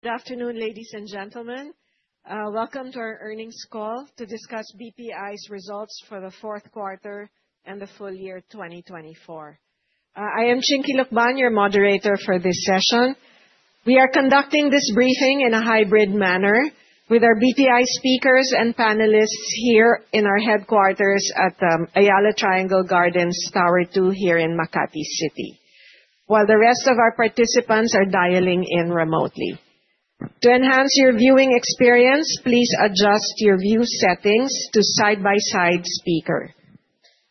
Good afternoon, ladies and gentlemen. Welcome to our earnings call to discuss BPI's results for the fourth quarter and the full year 2024. I am Chinky Lucban, your moderator for this session. We are conducting this briefing in a hybrid manner with our BPI speakers and panelists here in our headquarters at Ayala Triangle Gardens, Tower Two here in Makati City. While the rest of our participants are dialing in remotely. To enhance your viewing experience, please adjust your view settings to side-by-side speaker.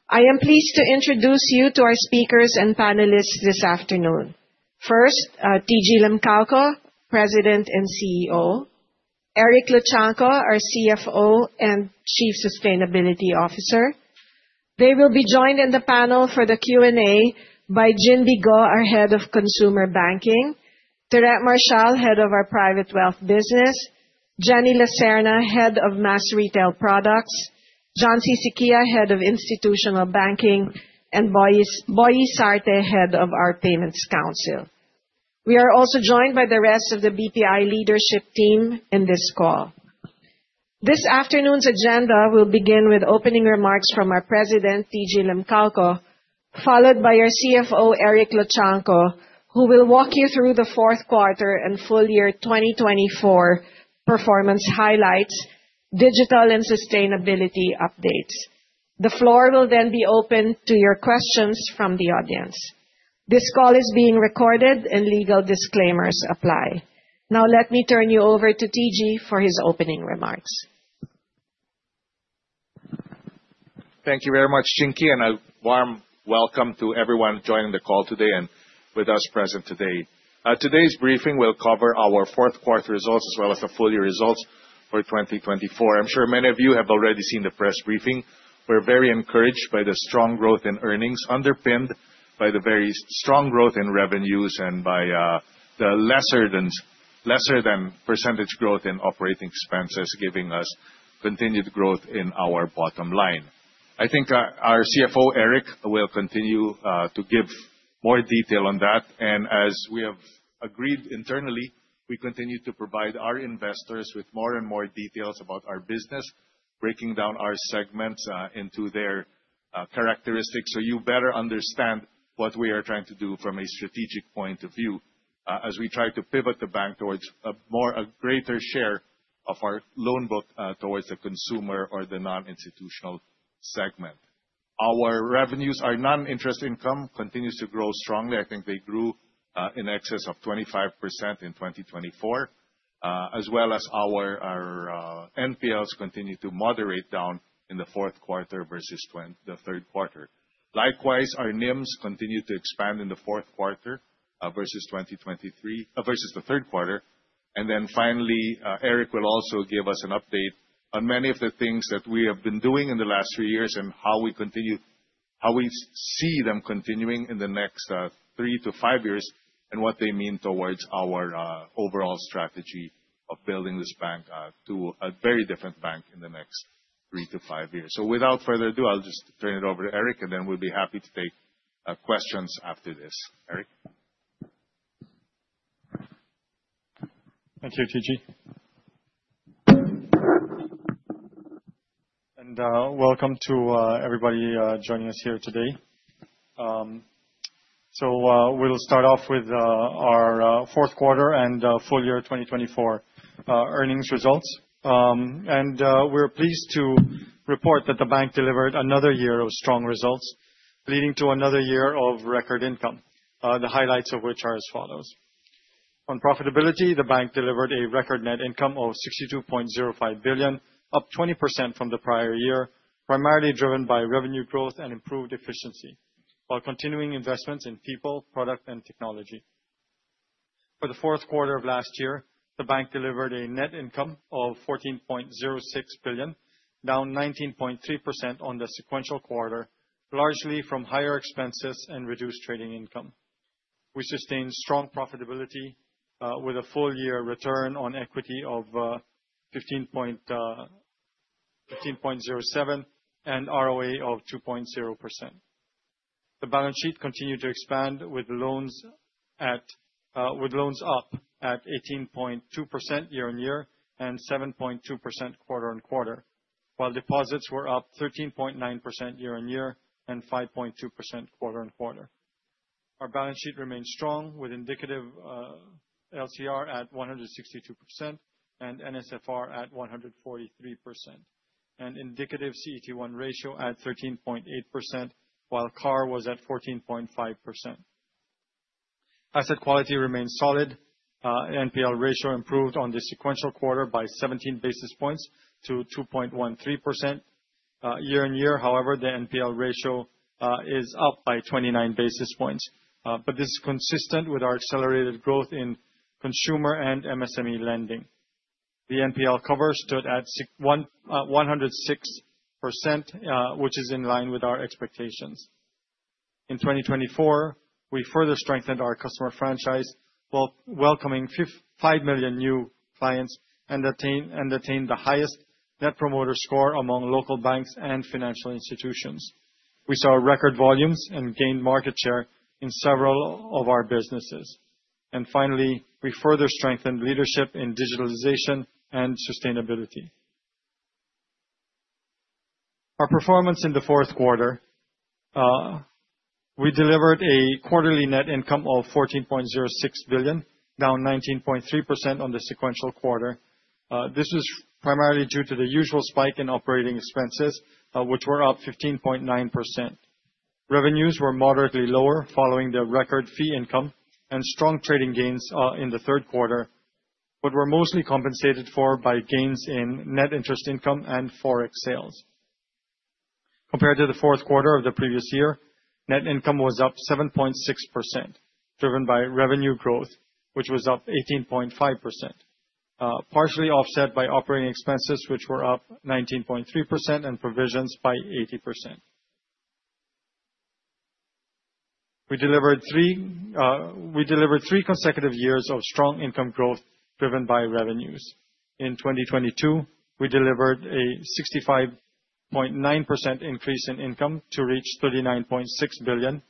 I am pleased to introduce you to our speakers and panelists this afternoon. First, TG Limcaoco, President and CEO. Eric Luchangco, our CFO and Chief Sustainability Officer. They will be joined in the panel for the Q&A by Jimmy Go, our Head of Consumer Banking. Teret Marshall, Head of our Private Wealth Business. Jenny Lacerna, Head of Mass Retail Products. John Sisiquia, Head of Institutional Banking, and Boy Sarte, Head of our Payments Council. We are also joined by the rest of the BPI leadership team in this call. This afternoon's agenda will begin with opening remarks from our president, TG Limcaoco, followed by our CFO, Eric Luchangco, who will walk you through the fourth quarter and full year 2024 performance highlights, digital and sustainability updates. The floor will be open to your questions from the audience. This call is being recorded and legal disclaimers apply. Now let me turn you over to TG for his opening remarks. Thank you very much, Chinky. A warm welcome to everyone joining the call today and with us present today. Today's briefing will cover our fourth quarter results as well as the full year results for 2024. I'm sure many of you have already seen the press briefing. We're very encouraged by the strong growth in earnings, underpinned by the very strong growth in revenues and by the lesser than percentage growth in operating expenses, giving us continued growth in our bottom line. I think our CFO, Eric, will continue to give more detail on that. As we have agreed internally, we continue to provide our investors with more and more details about our business, breaking down our segments into their characteristics so you better understand what we are trying to do from a strategic point of view. As we try to pivot the bank towards a greater share of our loan book towards the consumer or the non-institutional segment. Our revenues, our non-interest income continues to grow strongly. I think they grew in excess of 25% in 2024. As well as our NPLs continue to moderate down in the fourth quarter versus the third quarter. Likewise, our NIMs continue to expand in the fourth quarter versus the third quarter. Finally, Eric will also give us an update on many of the things that we have been doing in the last three years and how we see them continuing in the next three to five years, and what they mean towards our overall strategy of building this bank to a very different bank in the next three to five years. Without further ado, I'll just turn it over to Eric. Then we'll be happy to take questions after this. Eric? Thank you, TG. Welcome to everybody joining us here today. We'll start off with our fourth quarter and full year 2024 earnings results. We're pleased to report that the bank delivered another year of strong results, leading to another year of record income. The highlights of which are as follows. On profitability, the bank delivered a record net income of PHP 62.05 billion, up 20% from the prior year, primarily driven by revenue growth and improved efficiency while continuing investments in people, product, and technology. For the fourth quarter of last year, the bank delivered a net income of 14.06 billion, down 19.3% on the sequential quarter, largely from higher expenses and reduced trading income, which sustained strong profitability with a full year return on equity of 15.07% and ROA of 2.0%. The balance sheet continued to expand with loans up at 18.2% year-on-year and 7.2% quarter-on-quarter. While deposits were up 13.9% year-on-year and 5.2% quarter-on-quarter. Our balance sheet remains strong with indicative LCR at 162% and NSFR at 143%. Indicative CET1 ratio at 13.8%, while CAR was at 14.5%. Asset quality remains solid. NPL ratio improved on the sequential quarter by 17 basis points to 2.13%. Year-on-year, however, the NPL ratio is up by 29 basis points. This is consistent with our accelerated growth in consumer and MSME lending. The NPL cover stood at 106%, which is in line with our expectations. In 2024, we further strengthened our customer franchise, while welcoming 5 million new clients and attained the highest net promoter score among local banks and financial institutions. We saw record volumes and gained market share in several of our businesses. Finally, we further strengthened leadership in digitalization and sustainability. Our performance in the fourth quarter, we delivered a quarterly net income of 14.06 billion, down 19.3% on the sequential quarter. This is primarily due to the usual spike in operating expenses, which were up 15.9%. Revenues were moderately lower following the record fee income and strong trading gains in the third quarter, but were mostly compensated for by gains in net interest income and Forex sales. Compared to the fourth quarter of the previous year, net income was up 7.6%, driven by revenue growth, which was up 18.5%, partially offset by operating expenses, which were up 19.3%, and provisions by 80%. We delivered three consecutive years of strong income growth driven by revenues. In 2022, we delivered a 65.9% increase in income to reach 39.6 billion.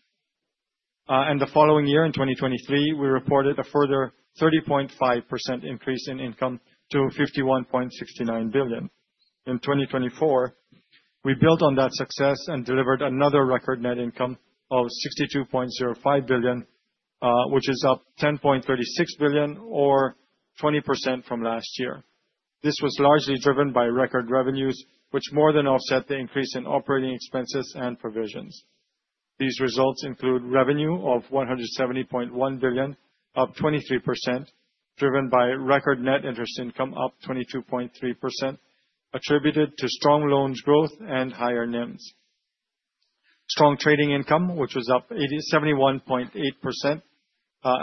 The following year, in 2023, we reported a further 30.5% increase in income to 51.69 billion. In 2024, we built on that success and delivered another record net income of 62.05 billion, which is up 10.36 billion, or 20% from last year. This was largely driven by record revenues, which more than offset the increase in operating expenses and provisions. These results include revenue of 170.1 billion, up 23%, driven by record net interest income up 22.3%, attributed to strong loans growth and higher NIMs. Strong trading income, which was up 71.8%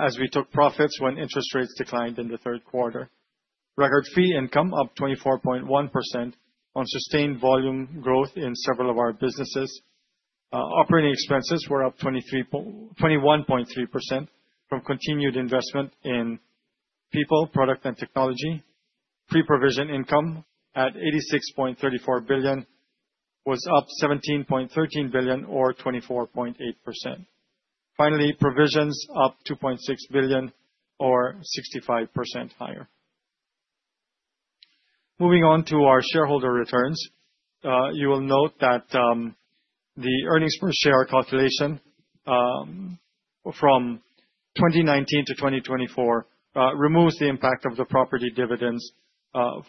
as we took profits when interest rates declined in the third quarter. Record fee income up 24.1% on sustained volume growth in several of our businesses. Operating expenses were up 21.3% from continued investment in people, product, and technology. Pre-provision income at 86.34 billion was up 17.13 billion or 24.8%. Finally, provisions up 2.6 billion or 65% higher. Moving on to our shareholder returns. You will note that the earnings per share calculation from 2019 to 2024 removes the impact of the property dividends of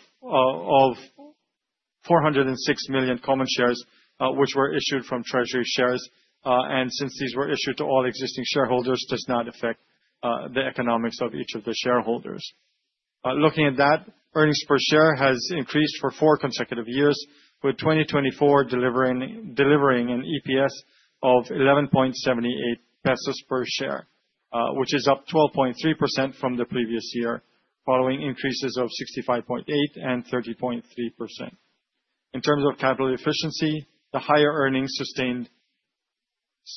406 million common shares, which were issued from treasury shares. Since these were issued to all existing shareholders, does not affect the economics of each of the shareholders. Looking at that, earnings per share has increased for four consecutive years, with 2024 delivering an EPS of 11.78 pesos per share, which is up 12.3% from the previous year, following increases of 65.8% and 30.3%. In terms of capital efficiency,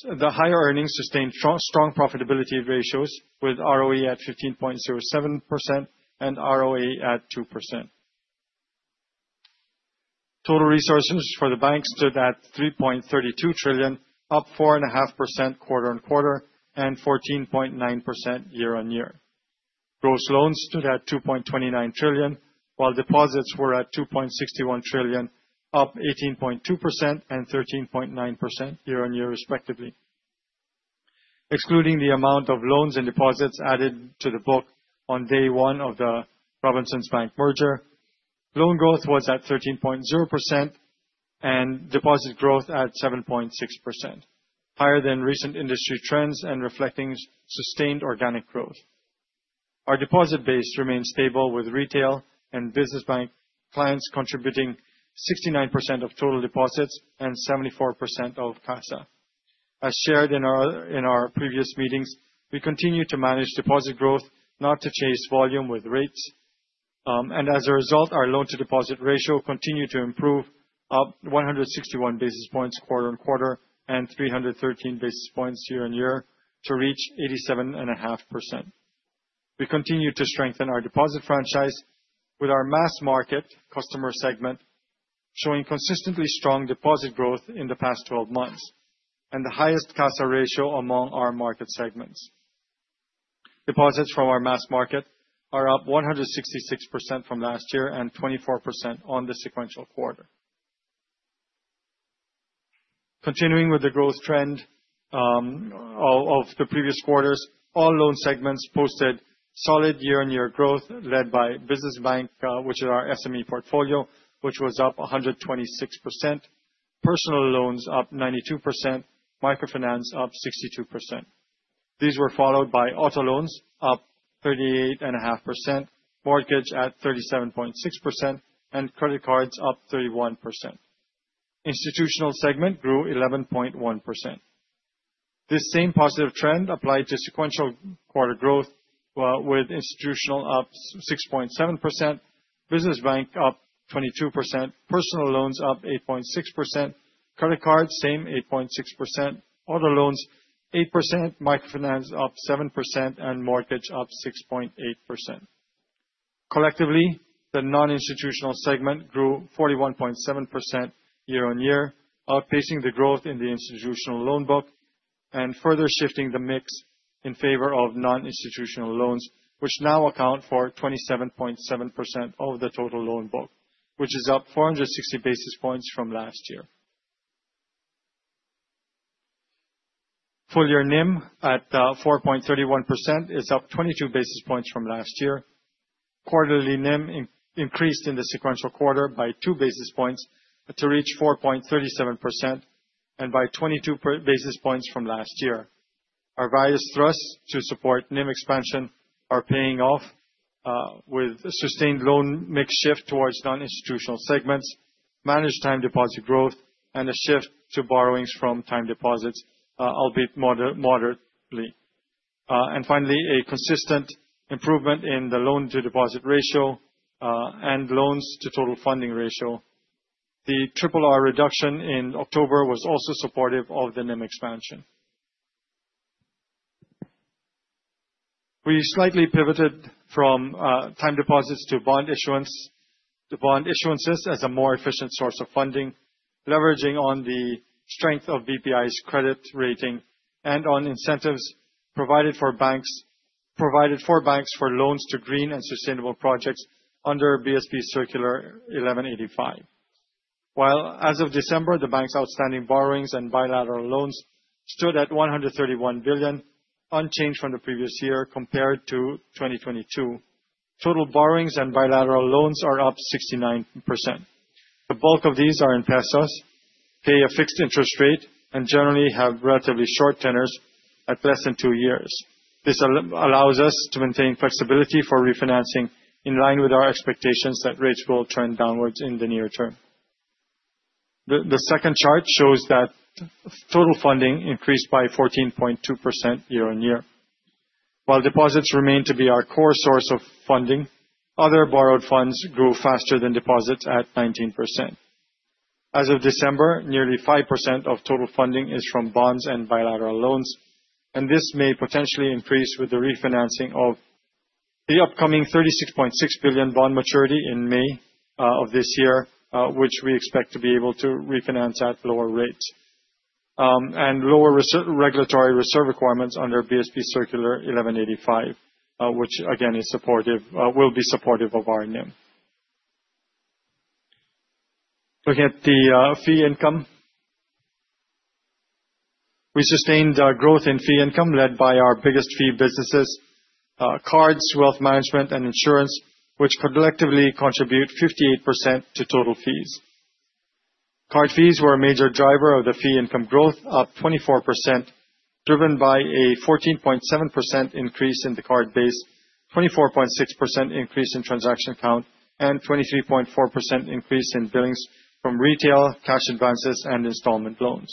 the higher earnings sustained strong profitability ratios with ROE at 15.07% and ROA at 2%. Total resources for the bank stood at 3.32 trillion, up 4.5% quarter-on-quarter and 14.9% year-on-year. Gross loans stood at 2.29 trillion, while deposits were at 2.61 trillion, up 18.2% and 13.9% year-on-year respectively. Excluding the amount of loans and deposits added to the book on day one of the Robinsons Bank merger, loan growth was at 13.0% and deposit growth at 7.6%, higher than recent industry trends and reflecting sustained organic growth. Our deposit base remains stable, with retail and business bank clients contributing 69% of total deposits and 74% of CASA. As shared in our previous meetings, we continue to manage deposit growth, not to chase volume with rates. As a result, our loan to deposit ratio continued to improve, up 161 basis points quarter-on-quarter and 313 basis points year-on-year to reach 87.5%. We continue to strengthen our deposit franchise with our mass market customer segment showing consistently strong deposit growth in the past 12 months and the highest CASA ratio among our market segments. Deposits from our mass market are up 166% from last year and 24% on the sequential quarter. Continuing with the growth trend of the previous quarters, all loan segments posted solid year-on-year growth led by business bank, which is our SME portfolio, which was up 126%. Personal loans up 92%, microfinance up 62%. These were followed by auto loans up 38.5%, mortgage at 37.6%, and credit cards up 31%. Institutional segment grew 11.1%. This same positive trend applied to sequential quarter growth, with institutional up 6.7%, business bank up 22%, personal loans up 8.6%, credit cards same 8.6%, auto loans 8%, microfinance up 7%, and mortgage up 6.8%. Collectively, the non-institutional segment grew 41.7% year-on-year, outpacing the growth in the institutional loan book and further shifting the mix in favor of non-institutional loans, which now account for 27.7% of the total loan book, which is up 460 basis points from last year. Full-year NIM at 4.31% is up 22 basis points from last year. Quarterly NIM increased in the sequential quarter by two basis points to reach 4.37%, and by 22 basis points from last year. Our various thrusts to support NIM expansion are paying off, with sustained loan mix shift towards non-institutional segments, managed time deposit growth, and a shift to borrowings from time deposits, albeit moderately. Finally, a consistent improvement in the loan-to-deposit ratio, and loans to total funding ratio. The triple R reduction in October was also supportive of the NIM expansion. We slightly pivoted from time deposits to bond issuance, the bond issuances as a more efficient source of funding, leveraging on the strength of BPI's credit rating and on incentives provided for banks for loans to green and sustainable projects under BSP Circular 1185. As of December, the bank's outstanding borrowings and bilateral loans stood at 131 billion, unchanged from the previous year compared to 2022. Total borrowings and bilateral loans are up 69%. The bulk of these are in pesos, pay a fixed interest rate, and generally have relatively short tenors at less than two years. This allows us to maintain flexibility for refinancing in line with our expectations that rates will trend downwards in the near term. The second chart shows that total funding increased by 14.2% year-on-year. Deposits remain to be our core source of funding, other borrowed funds grew faster than deposits at 19%. As of December, nearly 5% of total funding is from bonds and bilateral loans, this may potentially increase with the refinancing of the upcoming 36.6 billion bond maturity in May of this year, which we expect to be able to refinance at lower rates, and lower regulatory reserve requirements under BSP Circular 1185, which again, will be supportive of our NIM. Looking at the fee income. We sustained our growth in fee income led by our biggest fee businesses, cards, wealth management, and insurance, which collectively contribute 58% to total fees. Card fees were a major driver of the fee income growth, up 24%, driven by a 14.7% increase in the card base, 24.6% increase in transaction count, and 23.4% increase in billings from retail, cash advances, and installment loans.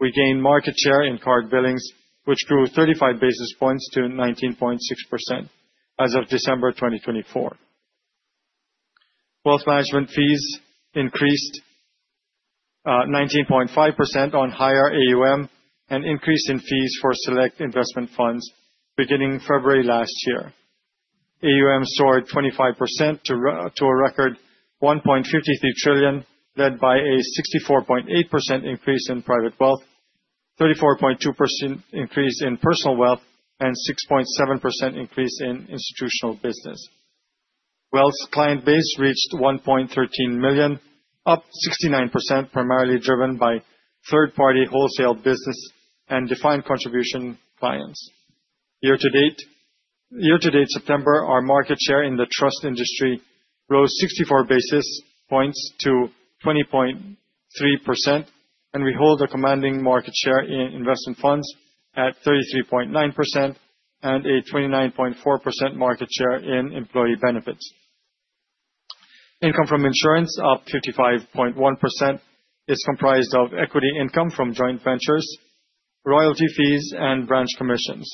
We gained market share in card billings, which grew 35 basis points to 19.6% as of December 2024. Wealth management fees increased 19.5% on higher AUM, an increase in fees for select investment funds beginning February last year. AUM soared 25% to a record 1.53 trillion, led by a 64.8% increase in private wealth, 34.2% increase in personal wealth, and 6.7% increase in institutional business. Wealth's client base reached 1.13 million, up 69%, primarily driven by third-party wholesale business and defined contribution clients. Year-to-date September, our market share in the trust industry rose 64 basis points to 20.3%, and we hold a commanding market share in investment funds at 33.9% and a 29.4% market share in employee benefits. Income from insurance, up 55.1%, is comprised of equity income from joint ventures, royalty fees, and branch commissions.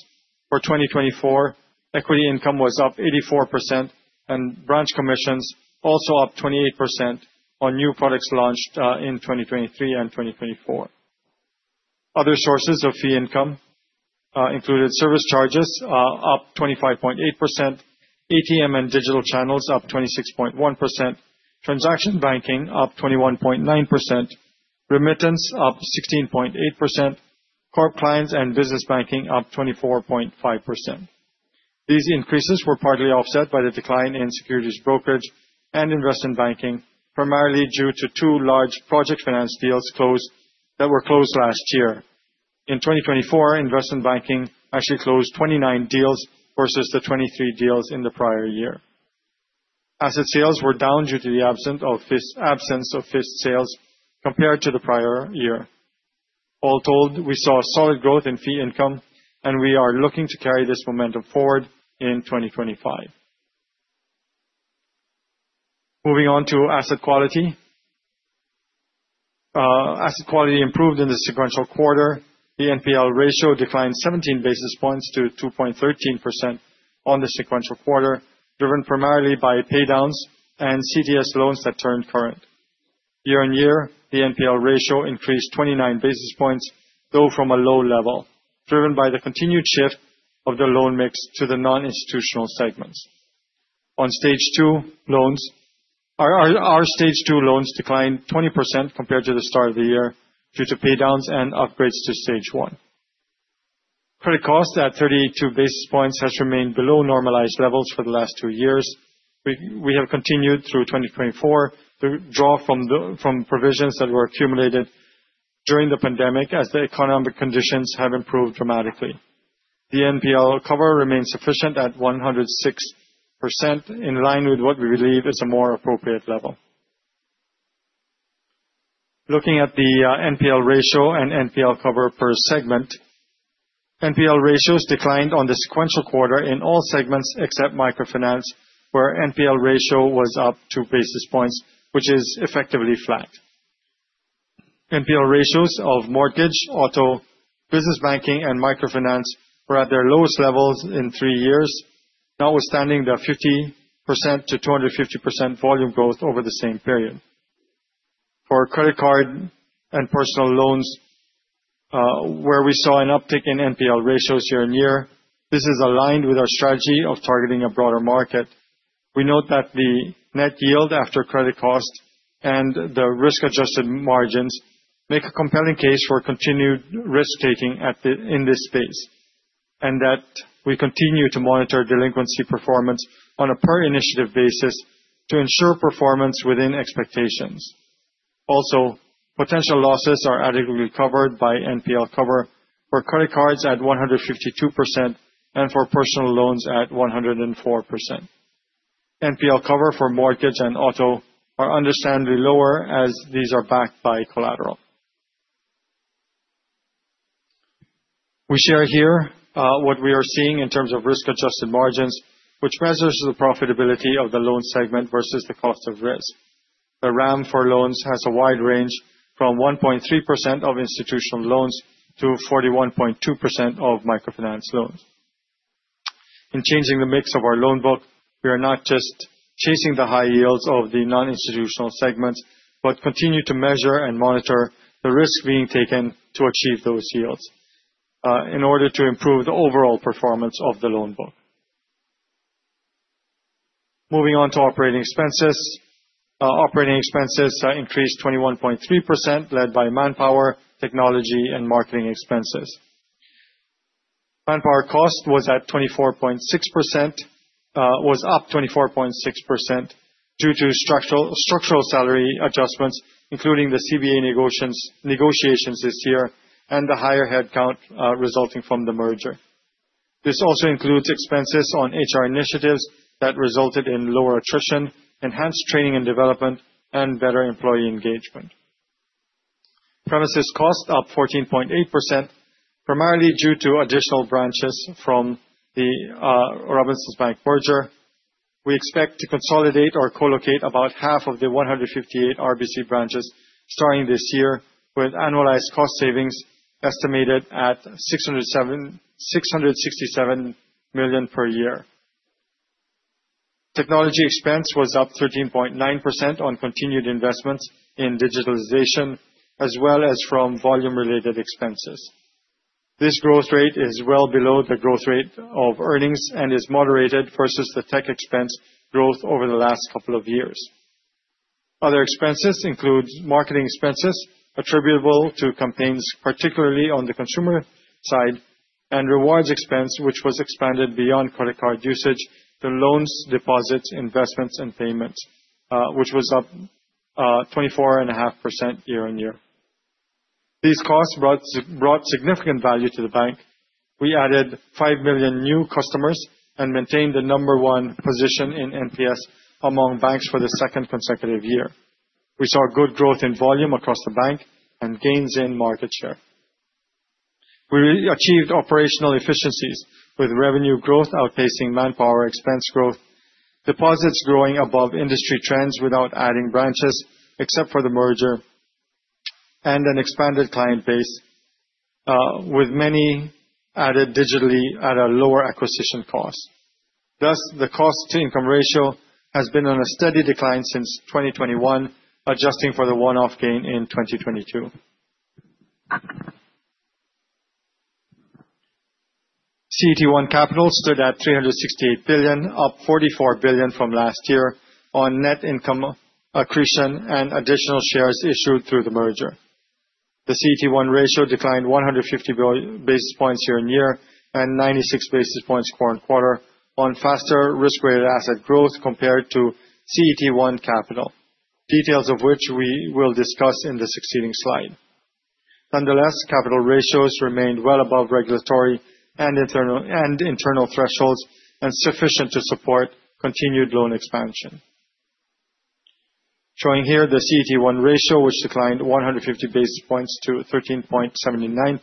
For 2024, equity income was up 84% and branch commissions also up 28% on new products launched in 2023 and 2024. Other sources of fee income included service charges up 25.8%, ATM and digital channels up 26.1%, transaction banking up 21.9%, remittance up 16.8%, corp clients and business banking up 24.5%. These increases were partly offset by the decline in securities brokerage and investment banking, primarily due to two large project finance deals that were closed last year. In 2024, investment banking actually closed 29 deals versus the 23 deals in the prior year. Asset sales were down due to the absence of FIST sales compared to the prior year. All told, we saw solid growth in fee income, and we are looking to carry this momentum forward in 2025. Moving on to asset quality. Asset quality improved in the sequential quarter. The NPL ratio declined 17 basis points to 2.13% on the sequential quarter, driven primarily by paydowns and CDS loans that turned current. Year-on-year, the NPL ratio increased 29 basis points, though from a low level, driven by the continued shift of the loan mix to the non-institutional segments. Our stage 2 loans declined 20% compared to the start of the year due to pay-downs and upgrades to stage 1. Credit cost at 32 basis points has remained below normalized levels for the last two years. We have continued through 2024 to draw from provisions that were accumulated during the pandemic as the economic conditions have improved dramatically. The NPL cover remains sufficient at 106%, in line with what we believe is a more appropriate level. Looking at the NPL ratio and NPL cover per segment, NPL ratios declined on the sequential quarter in all segments except microfinance, where NPL ratio was up two basis points, which is effectively flat. NPL ratios of mortgage, auto, business banking, and microfinance were at their lowest levels in three years, notwithstanding the 50%-250% volume growth over the same period. For credit card and personal loans, where we saw an uptick in NPL ratios year-on-year, this is aligned with our strategy of targeting a broader market. We note that the net yield after credit cost and the risk-adjusted margins make a compelling case for continued risk-taking in this space, and that we continue to monitor delinquency performance on a per initiative basis to ensure performance within expectations. Also, potential losses are adequately covered by NPL cover for credit cards at 152% and for personal loans at 104%. NPL cover for mortgage and auto are understandably lower as these are backed by collateral. We share here what we are seeing in terms of risk-adjusted margins, which measures the profitability of the loan segment versus the cost of risk. The RAM for loans has a wide range from 1.3% of institutional loans to 41.2% of microfinance loans. In changing the mix of our loan book, we are not just chasing the high yields of the non-institutional segments, but continue to measure and monitor the risk being taken to achieve those yields in order to improve the overall performance of the loan book. Moving on to operating expenses. Operating expenses increased 21.3%, led by manpower, technology, and marketing expenses. Manpower cost was up 24.6% due to structural salary adjustments, including the CBA negotiations this year and the higher headcount resulting from the merger. This also includes expenses on HR initiatives that resulted in lower attrition, enhanced training and development, and better employee engagement. Premises cost up 14.8%, primarily due to additional branches from the Robinsons Bank merger. We expect to consolidate or co-locate about half of the 158 RBC branches starting this year, with annualized cost savings estimated at 667 million per year. Technology expense was up 13.9% on continued investments in digitalization as well as from volume-related expenses. This growth rate is well below the growth rate of earnings and is moderated versus the tech expense growth over the last couple of years. Other expenses include marketing expenses attributable to campaigns, particularly on the consumer side, and rewards expense, which was expanded beyond credit card usage to loans, deposits, investments, and payments, which was up 24.5% year-on-year. These costs brought significant value to the bank. We added five million new customers and maintained the number 1 position in NPS among banks for the second consecutive year. We saw good growth in volume across the bank and gains in market share. We achieved operational efficiencies with revenue growth outpacing manpower expense growth, deposits growing above industry trends without adding branches except for the merger, and an expanded client base, with many added digitally at a lower acquisition cost. The cost-to-income ratio has been on a steady decline since 2021, adjusting for the one-off gain in 2022. CET1 capital stood at 368 billion, up 44 billion from last year on net income accretion and additional shares issued through the merger. The CET1 ratio declined 150 basis points year-on-year and 96 basis points quarter-on-quarter on faster risk-weighted asset growth compared to CET1 capital. Details of which we will discuss in the succeeding slide. Nonetheless, capital ratios remained well above regulatory and internal thresholds and sufficient to support continued loan expansion. Showing here the CET1 ratio, which declined 150 basis points to 13.79%.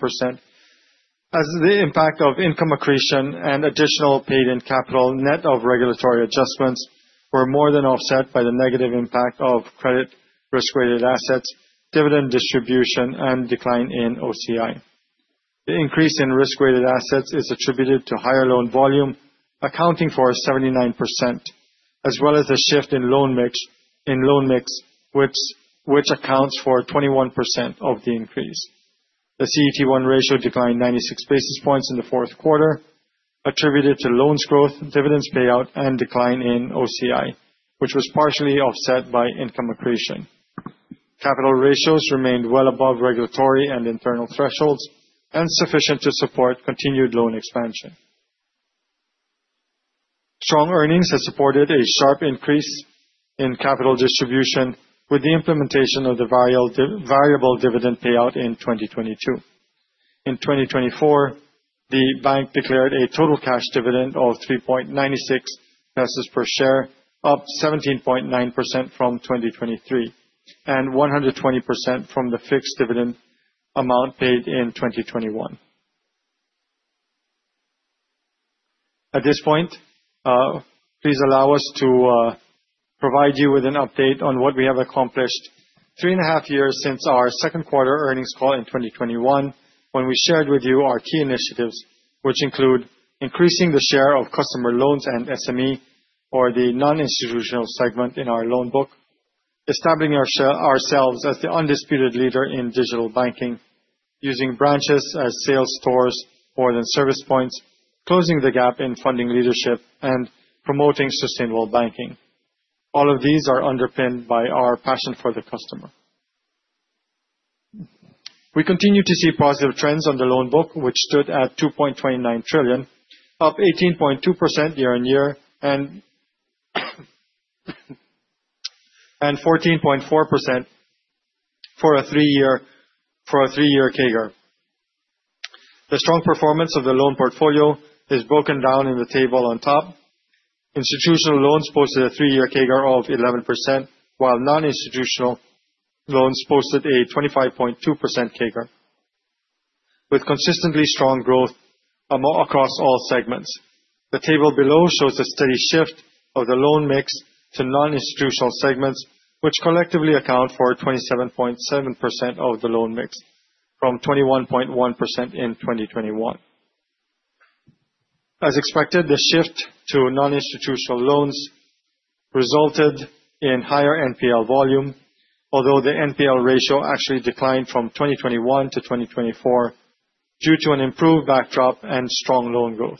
The impact of income accretion and additional paid-in capital net of regulatory adjustments were more than offset by the negative impact of credit-risk-weighted assets, dividend distribution, and decline in OCI. The increase in risk-weighted assets is attributed to higher loan volume, accounting for 79%, as well as the shift in loan mix, which accounts for 21% of the increase. The CET1 ratio declined 96 basis points in the fourth quarter, attributed to loans growth, dividends payout, and decline in OCI, which was partially offset by income accretion. Capital ratios remained well above regulatory and internal thresholds, and sufficient to support continued loan expansion. Strong earnings have supported a sharp increase in capital distribution with the implementation of the variable dividend payout in 2022. In 2024, the bank declared a total cash dividend of 3.96 pesos per share, up 17.9% from 2023, and 120% from the fixed dividend amount paid in 2021. At this point, please allow us to provide you with an update on what we have accomplished three and a half years since our second quarter earnings call in 2021, when we shared with you our key initiatives, which include increasing the share of customer loans and SME for the non-institutional segment in our loan book. Establishing ourselves as the undisputed leader in digital banking, using branches as sales stores more than service points, closing the gap in funding leadership, and promoting sustainable banking. All of these are underpinned by our passion for the customer. We continue to see positive trends on the loan book, which stood at 2.29 trillion, up 18.2% year-on-year and 14.4% for a three-year CAGR. The strong performance of the loan portfolio is broken down in the table on top. Institutional loans posted a 3-year CAGR of 11%, while non-institutional loans posted a 25.2% CAGR with consistently strong growth across all segments. The table below shows the steady shift of the loan mix to non-institutional segments, which collectively account for 27.7% of the loan mix, from 21.1% in 2021. As expected, the shift to non-institutional loans resulted in higher NPL volume, although the NPL ratio actually declined from 2021 to 2024 due to an improved backdrop and strong loan growth.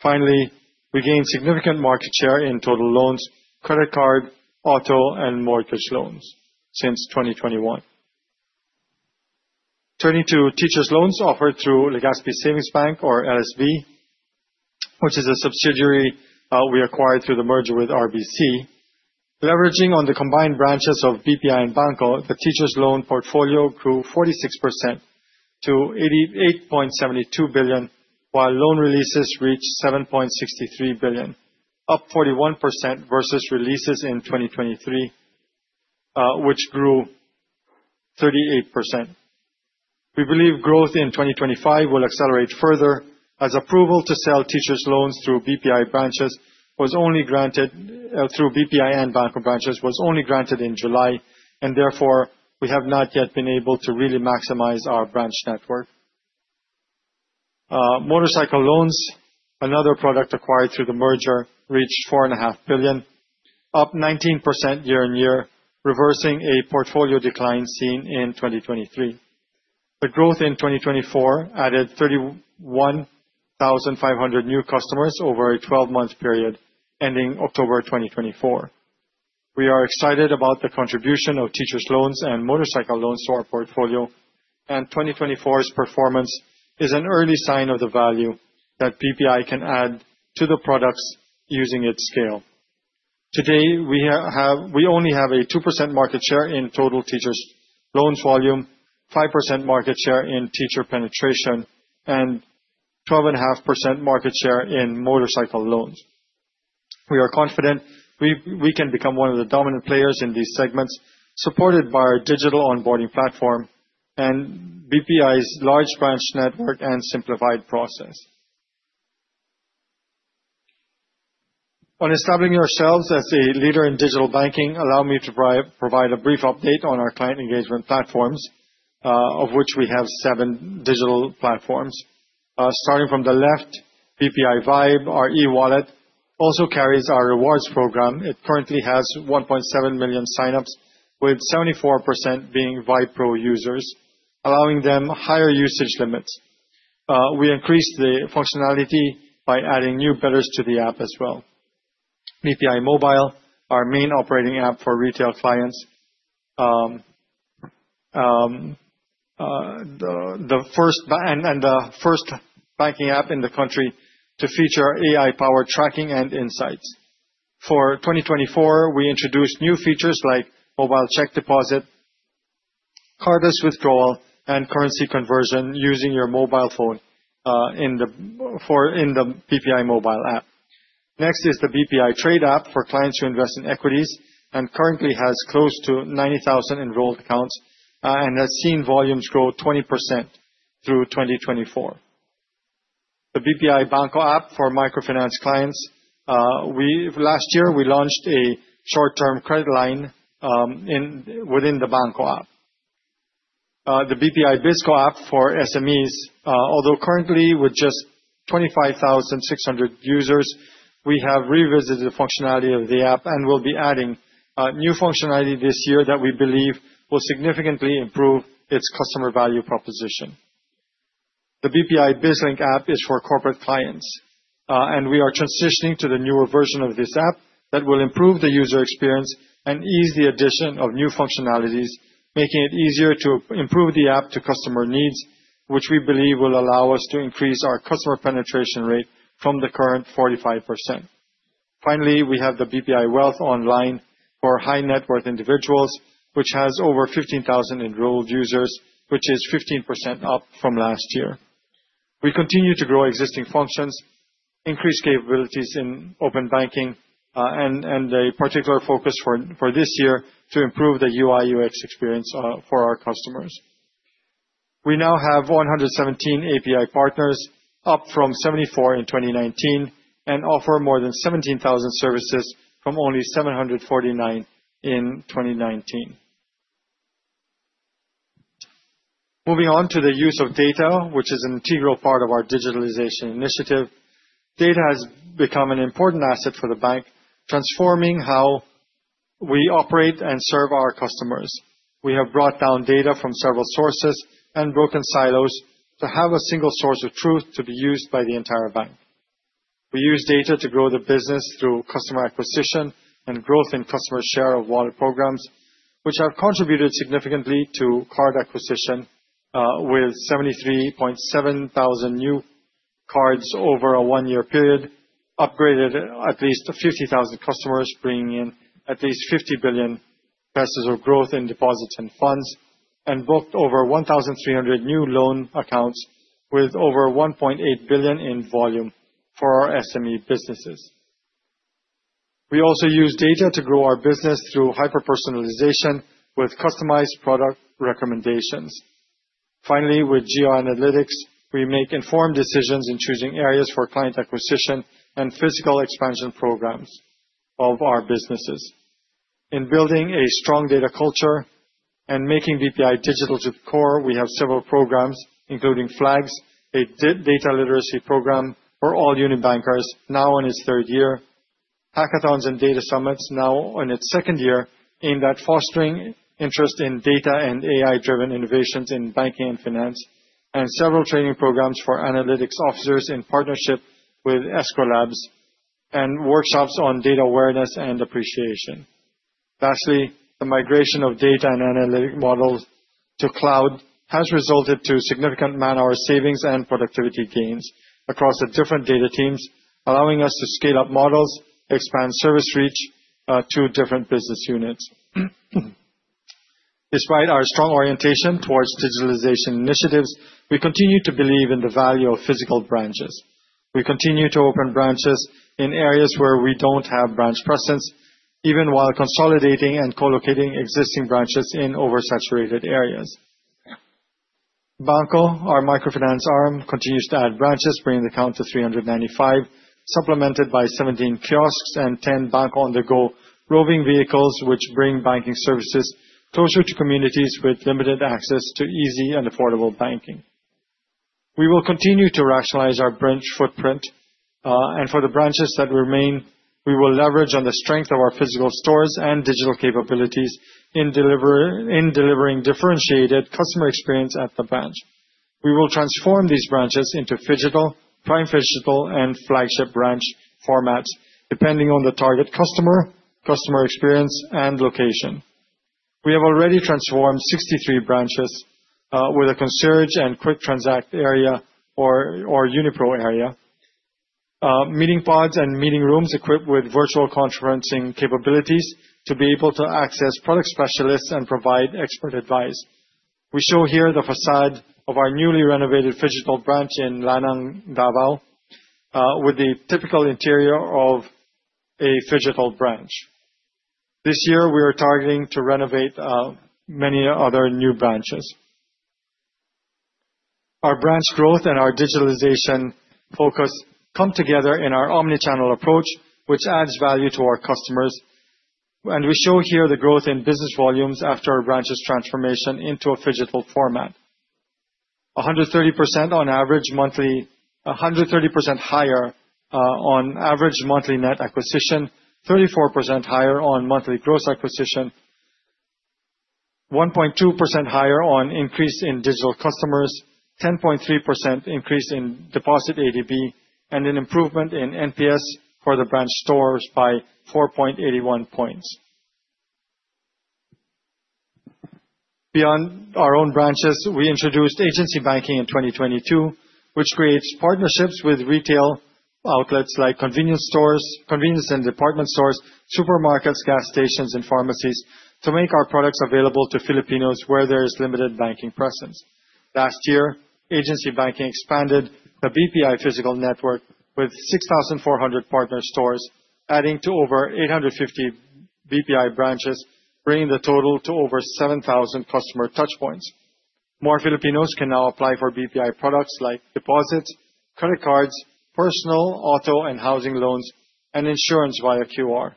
Finally, we gained significant market share in total loans, credit card, auto, and mortgage loans since 2021. Turning to Teachers' Loans offered through Legazpi Savings Bank or LSB, which is a subsidiary we acquired through the merger with RCBC. Leveraging on the combined branches of BPI and BanKo, the Teachers' Loan portfolio grew 46% to 88.72 billion, while loan releases reached 7.63 billion, up 41% versus releases in 2023, which grew 38%. We believe growth in 2025 will accelerate further as approval to sell Teachers' Loans through BPI and BanKo branches was only granted in July, and therefore, we have not yet been able to really maximize our branch network. Motorcycle loans, another product acquired through the merger reached 4.5 billion, up 19% year-on-year, reversing a portfolio decline seen in 2023. The growth in 2024 added 31,500 new customers over a 12-month period ending October 2024. We are excited about the contribution of Teachers' Loans and motorcycle loans to our portfolio, and 2024's performance is an early sign of the value that BPI can add to the products using its scale. Today, we only have a 2% market share in total Teachers' Loans volume, 5% market share in teacher penetration, and 12.5% market share in motorcycle loans. We are confident we can become one of the dominant players in these segments, supported by our digital onboarding platform and BPI's large branch network and simplified process. On establishing ourselves as a leader in digital banking, allow me to provide a brief update on our client engagement platforms, of which we have seven digital platforms. Starting from the left, VYBE by BPI, our e-wallet also carries our rewards program. It currently has 1.7 million sign-ups, with 74% being VYBE Pro users, allowing them higher usage limits. We increased the functionality by adding new features to the app as well. BPI Mobile, our main operating app for retail clients. The first banking app in the country to feature AI-powered tracking and insights. For 2024, we introduced new features like mobile check deposit, cardless withdrawal, and currency conversion using your mobile phone in the BPI Mobile app. Next is the BPI Trade app for clients who invest in equities and currently has close to 90,000 enrolled accounts and has seen volumes grow 20% through 2024. The BPI BanKo app for microfinance clients. Last year, we launched a short-term credit line within the BanKo app. The BPI BizKo app for SMEs, although currently with just 25,600 users, we have revisited the functionality of the app and will be adding new functionality this year that we believe will significantly improve its customer value proposition. The BPI BizLink app is for corporate clients. We are transitioning to the newer version of this app that will improve the user experience and ease the addition of new functionalities, making it easier to improve the app to customer needs, which we believe will allow us to increase our customer penetration rate from the current 45%. Finally, we have the BPI Wealth online for high net worth individuals, which has over 15,000 enrolled users, which is 15% up from last year. We continue to grow existing functions, increase capabilities in open banking, and a particular focus for this year to improve the UI/UX experience for our customers. We now have 117 API partners, up from 74 in 2019, and offer more than 17,000 services from only 749 in 2019. Moving on to the use of data, which is an integral part of our digitalization initiative. Data has become an important asset for the bank, transforming how we operate and serve our customers. We have brought down data from several sources and broken silos to have a single source of truth to be used by the entire bank. We use data to grow the business through customer acquisition and growth in customer share of wallet programs, which have contributed significantly to card acquisition, with 73.7 thousand new cards over a one-year period, upgraded at least 50,000 customers, bringing in at least 50 billion pesos of growth in deposits and funds, and booked over 1,300 new loan accounts with over 1.8 billion in volume for our SME businesses. We also use data to grow our business through hyper-personalization with customized product recommendations. Finally, with geoanalytics, we make informed decisions in choosing areas for client acquisition and physical expansion programs of our businesses. In building a strong data culture and making BPI digital to the core, we have several programs, including Flags, a data literacy program for all UniBankers now in its third year. Hackathons and data summits, now in its second year, aimed at fostering interest in data and AI-driven innovations in banking and finance, and several training programs for analytics officers in partnership with Eskwelabs, and workshops on data awareness and appreciation. Lastly, the migration of data and analytic models to cloud has resulted to significant man-hour savings and productivity gains across the different data teams, allowing us to scale up models, expand service reach to different business units. Despite our strong orientation towards digitalization initiatives, we continue to believe in the value of physical branches. We continue to open branches in areas where we don't have branch presence, even while consolidating and co-locating existing branches in oversaturated areas. BanKo, our microfinance arm, continues to add branches, bringing the count to 395, supplemented by 17 kiosks and 10 BanKo on-the-go roving vehicles, which bring banking services closer to communities with limited access to easy and affordable banking. We will continue to rationalize our branch footprint. For the branches that remain, we will leverage on the strength of our physical stores and digital capabilities in delivering differentiated customer experience at the branch. We will transform these branches into phygital, prime phygital, and flagship branch formats, depending on the target customer experience, and location. We have already transformed 63 branches with a concierge and quick transact area or Unipro area, meeting pods and meeting rooms equipped with virtual conferencing capabilities to be able to access product specialists and provide expert advice. We show here the facade of our newly renovated phygital branch in Lanang, Davao, with the typical interior of a phygital branch. This year, we are targeting to renovate many other new branches. Our branch growth and our digitalization focus come together in our omni-channel approach, which adds value to our customers. We show here the growth in business volumes after our branch's transformation into a phygital format. 130% higher on average monthly net acquisition, 34% higher on monthly gross acquisition, 1.2% higher on increase in digital customers, 10.3% increase in deposit ADB, and an improvement in NPS for the branch stores by 4.81 points. Beyond our own branches, we introduced agency banking in 2022, which creates partnerships with retail outlets like convenience and department stores, supermarkets, gas stations, and pharmacies to make our products available to Filipinos where there is limited banking presence. Last year, agency banking expanded the BPI physical network with 6,400 partner stores, adding to over 850 BPI branches, bringing the total to over 7,000 customer touchpoints. More Filipinos can now apply for BPI products like deposits, credit cards, personal, auto, and housing loans, and insurance via QR,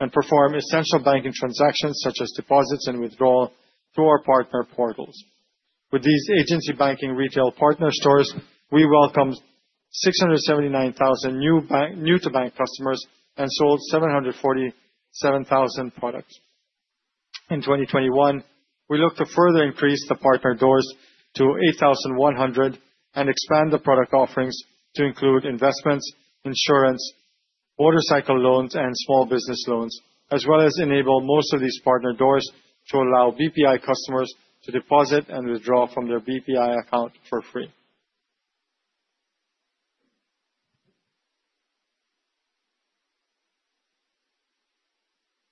and perform essential banking transactions such as deposits and withdrawal through our partner portals. With these agency banking retail partner stores, we welcomed 679,000 new-to-bank customers and sold 747,000 products. In 2021, we look to further increase the partner doors to 8,100 and expand the product offerings to include investments, insurance, motorcycle loans, and small business loans, as well as enable most of these partner doors to allow BPI customers to deposit and withdraw from their BPI account for free.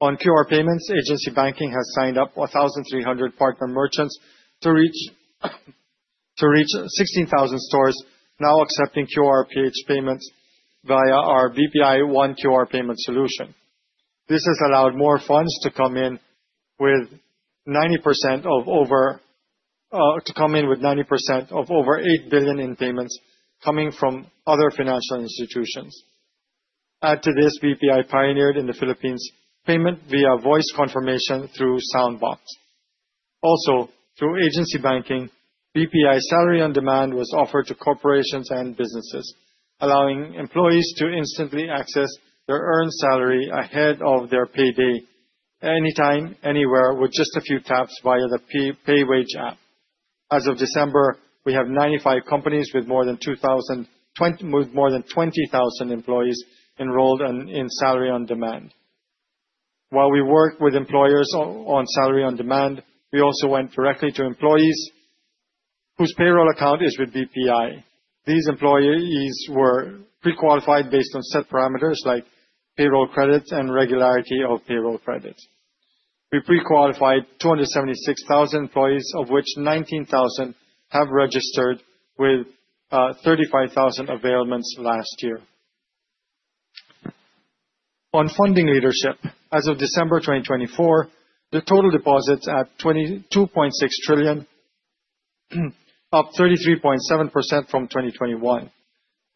On QR payments, agency banking has signed up 1,300 partner merchants to reach 16,000 stores now accepting QRPH payments via our BPI OneQR payment solution. This has allowed more funds to come in with 90% of over 8 billion in payments coming from other financial institutions. Add to this, BPI pioneered in the Philippines payment via voice confirmation through Soundbox. Through agency banking, BPI Salary On-Demand was offered to corporations and businesses, allowing employees to instantly access their earned salary ahead of their payday, anytime, anywhere, with just a few taps via the PayWage app. As of December, we have 95 companies with more than 20,000 employees enrolled in Salary On-Demand. While we work with employers on Salary On-Demand, we also went directly to employees whose payroll account is with BPI. These employees were pre-qualified based on set parameters like payroll credits and regularity of payroll credits. We pre-qualified 276,000 employees, of which 19,000 have registered with 35,000 availments last year. On funding leadership, as of December 2024, the total deposits at 22.6 trillion, up 33.7% from 2021.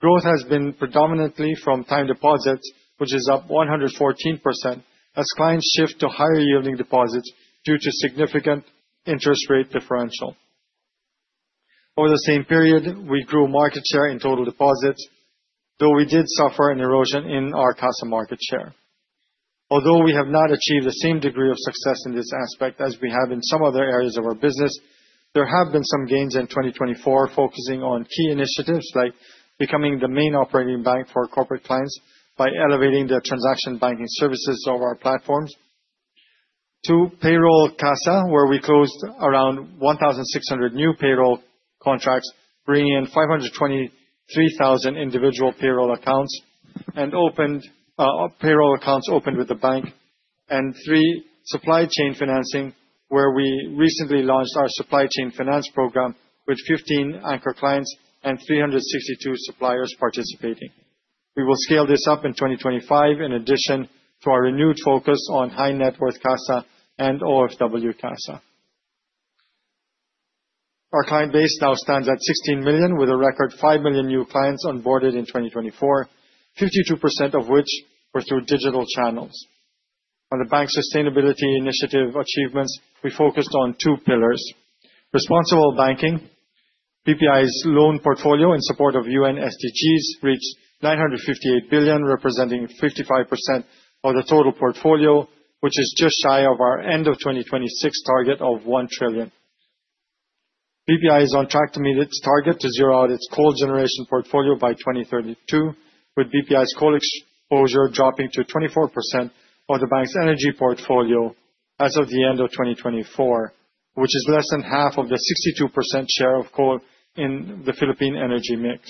Growth has been predominantly from time deposits, which is up 114% as clients shift to higher yielding deposits due to significant interest rate differential. Over the same period, we grew market share in total deposits, though we did suffer an erosion in our CASA market share. Although we have not achieved the same degree of success in this aspect as we have in some other areas of our business, there have been some gains in 2024 focusing on key initiatives like becoming the main operating bank for corporate clients by elevating their transaction banking services over our platforms. Two, payroll CASA, where we closed around 1,600 new payroll contracts, bringing in 523,000 individual payroll accounts opened with the bank. Three, supply chain financing, where we recently launched our supply chain finance program with 15 anchor clients and 362 suppliers participating. We will scale this up in 2025 in addition to our renewed focus on high-net-worth CASA and OFW CASA. Our client base now stands at 16 million, with a record 5 million new clients onboarded in 2024, 52% of which were through digital channels. On the bank sustainability initiative achievements, we focused on two pillars. Responsible banking. BPI's loan portfolio in support of UN SDGs reached 958 billion, representing 55% of the total portfolio, which is just shy of our end of 2026 target of 1 trillion. BPI is on track to meet its target to zero out its coal generation portfolio by 2032, with BPI's coal exposure dropping to 24% of the bank's energy portfolio as of the end of 2024, which is less than half of the 62% share of coal in the Philippine energy mix.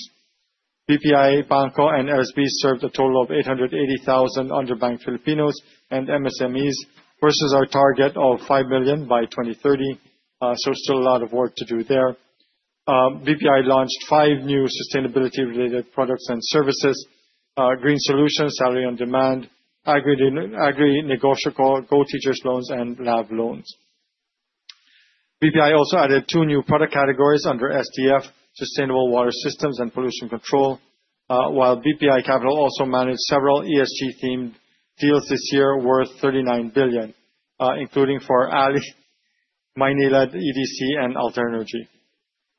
BPI, BanKo, and Robinsons Bank served a total of 880,000 underbanked Filipinos and MSMEs versus our target of 5 million by 2030. Still a lot of work to do there. BPI launched five new sustainability-related products and services, BPI Green Solutions, BPI Salary On-Demand, AgriNegosyo, Teachers' Loan, and LAV Loans. BPI also added two new product categories under SDF, sustainable water systems and pollution control, while BPI Capital also managed several ESG-themed deals this year worth 39 billion, including for ALI, Maynilad, EDC, and Alternergy.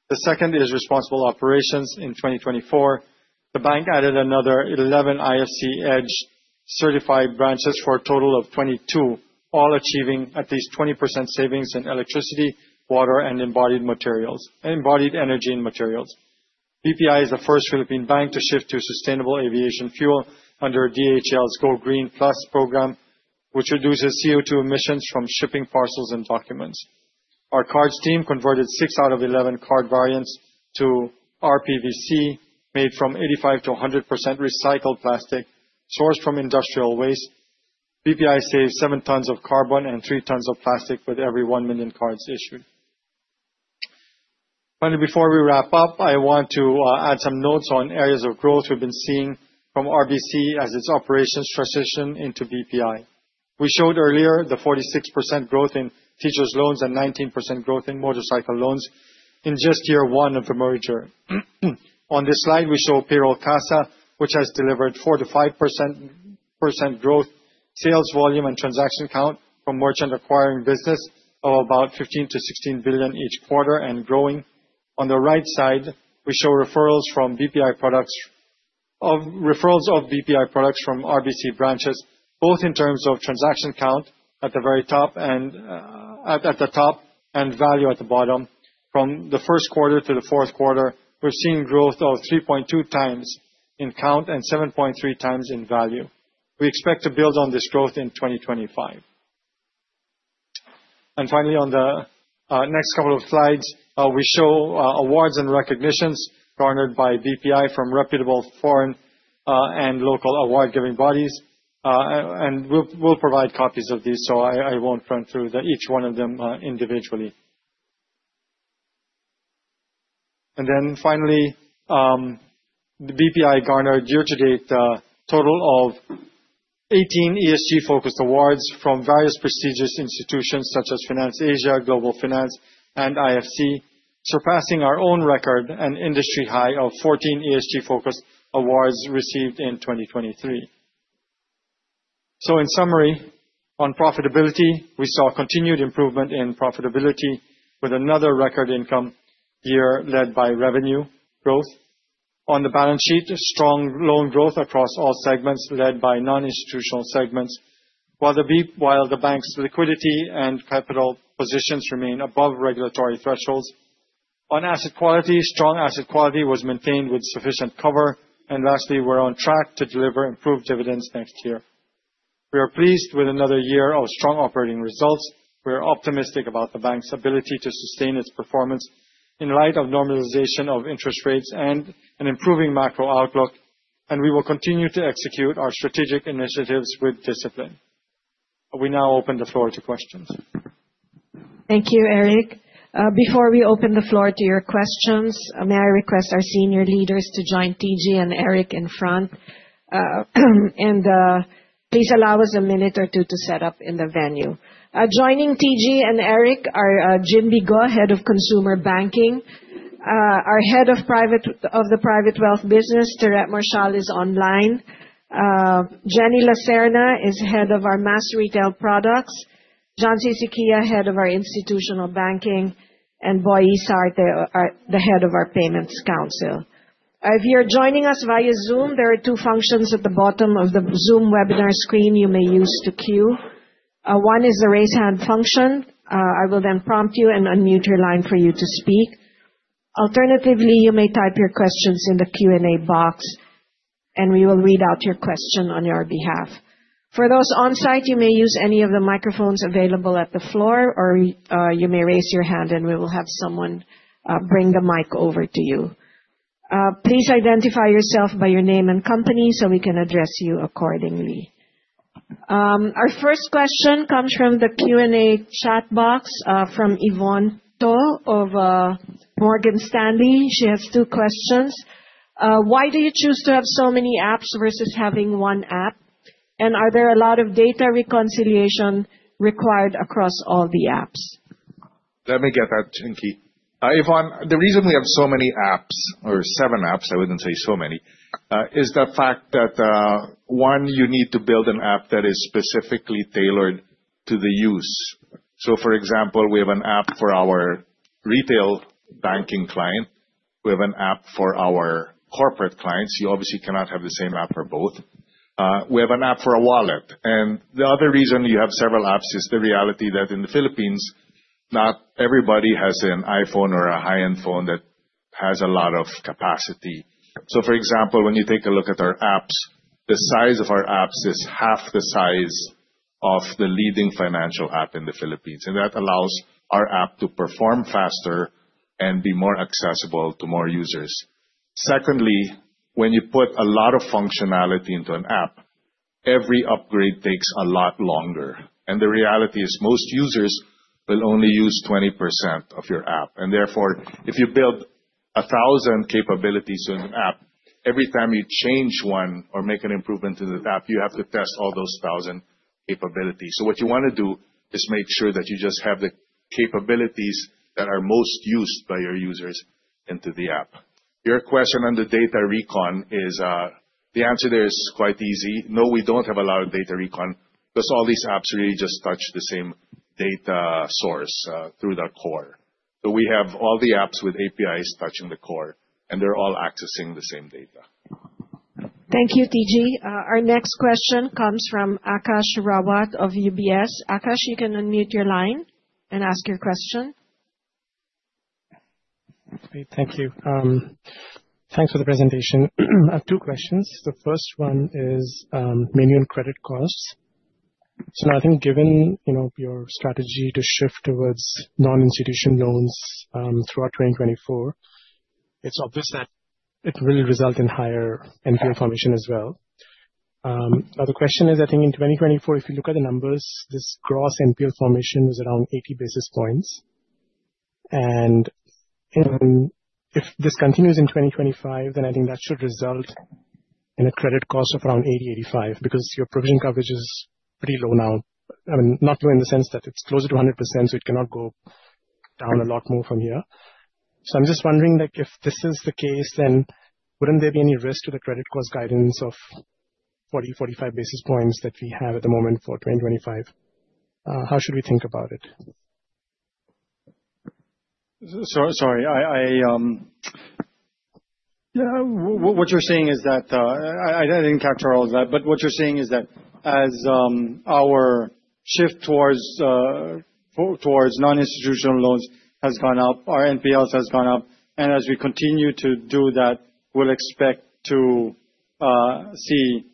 The second is responsible operations in 2024. The bank added another 11 IFC EDGE certified branches for a total of 22, all achieving at least 20% savings in electricity, water, and embodied energy and materials. BPI is the first Philippine bank to shift to sustainable aviation fuel under DHL's GoGreen Plus program, which reduces CO2 emissions from shipping parcels and documents. Our cards team converted six out of 11 card variants to rPVC, made from 85% to 100% recycled plastic sourced from industrial waste. BPI saved seven tons of carbon and three tons of plastic with every 1 million cards issued. Finally, before we wrap up, I want to add some notes on areas of growth we've been seeing from RBC as its operations transition into BPI. We showed earlier the 46% growth in Teachers' Loan and 19% growth in motorcycle loans in just year one of the merger. On this slide, we show payroll CASA, which has delivered 4%-5% growth sales volume and transaction count from merchant acquiring business of about 15 billion to 16 billion each quarter and growing. On the right side, we show referrals of BPI products from RBC branches, both in terms of transaction count at the top and value at the bottom. From the first quarter to the fourth quarter, we're seeing growth of 3.2 times in count and 7.3 times in value. We expect to build on this growth in 2025. Finally, on the next couple of slides, we show awards and recognitions garnered by BPI from reputable foreign and local award-giving bodies. We'll provide copies of these, I won't run through each one of them individually. Finally, BPI garnered year to date a total of 18 ESG-focused awards from various prestigious institutions such as FinanceAsia, Global Finance, and IFC, surpassing our own record and industry high of 14 ESG-focused awards received in 2023. In summary, on profitability, we saw continued improvement in profitability with another record income year led by revenue growth. On the balance sheet, strong loan growth across all segments led by non-institutional segments, while the Bank's liquidity and capital positions remain above regulatory thresholds. On asset quality, strong asset quality was maintained with sufficient cover. Lastly, we are on track to deliver improved dividends next year. We are pleased with another year of strong operating results. We are optimistic about the Bank's ability to sustain its performance in light of normalization of interest rates and an improving macro outlook. We will continue to execute our strategic initiatives with discipline. We now open the floor to questions. Thank you, Eric. Before we open the floor to your questions, may I request our senior leaders to join TG and Eric in front? Please allow us a minute or two to set up in the venue. Joining TG and Eric are Jim Digo, Head of Consumer Banking, our Head of the Private Wealth business, Terett Marshall, is online. Jenny Lacerna is Head of our Mass Retail Products, John Susiquia, Head of our Institutional Banking, and Boy Isarte, the Head of our Payments Council. If you're joining us via Zoom, there are two functions at the bottom of the Zoom webinar screen you may use to queue. One is the raise hand function. I will prompt you and unmute your line for you to speak. Alternatively, you may type your questions in the Q&A box, we will read out your question on your behalf. For those on-site, you may use any of the microphones available at the floor or you may raise your hand, we will have someone bring the mic over to you. Please identify yourself by your name and company so we can address you accordingly. Our first question comes from the Q&A chat box, from Yvonne To of Morgan Stanley. She has two questions. Why do you choose to have so many apps versus having one app? Are there a lot of data reconciliation required across all the apps? Let me get that, Chinky. Yvonne, the reason we have so many apps or seven apps, I wouldn't say so many, is the fact that, one, you need to build an app that is specifically tailored to the use. For example, we have an app for our retail banking client. We have an app for our corporate clients. You obviously cannot have the same app for both. We have an app for a wallet. The other reason you have several apps is the reality that in the Philippines, not everybody has an iPhone or a high-end phone that has a lot of capacity. For example, when you take a look at our apps, the size of our apps is half the size of the leading financial app in the Philippines, and that allows our app to perform faster and be more accessible to more users. Secondly, when you put a lot of functionality into an app, every upgrade takes a lot longer. The reality is most users will only use 20% of your app. Therefore, if you build 1,000 capabilities to an app, every time you change one or make an improvement to the app, you have to test all those 1,000 capabilities. What you want to do is make sure that you just have the capabilities that are most used by your users into the app. Your question on the data recon, the answer there is quite easy. No, we don't have a lot of data recon because all these apps really just touch the same data source through the core. We have all the apps with APIs touching the core, and they're all accessing the same data. Thank you, TG. Our next question comes from Akash Rawat of UBS. Akash, you can unmute your line and ask your question. Okay. Thank you. Thanks for the presentation. I have two questions. The first one is, mainly on credit costs. I think given your strategy to shift towards non-institutional loans, throughout 2024 It's obvious that it will result in higher NPL formation as well. The question is, I think in 2024, if you look at the numbers, this gross NPL formation was around 80 basis points. If this continues in 2025, then I think that should result in a credit cost of around 80-85, because your provision coverage is pretty low now. Not low in the sense that it's closer to 100%, so it cannot go down a lot more from here. I'm just wondering, if this is the case, then wouldn't there be any risk to the credit cost guidance of 40-45 basis points that we have at the moment for 2025? How should we think about it? Sorry. What you're saying is that I didn't capture all of that, what you're saying is that as our shift towards non-institutional loans has gone up, our NPLs has gone up, as we continue to do that, we'll expect to see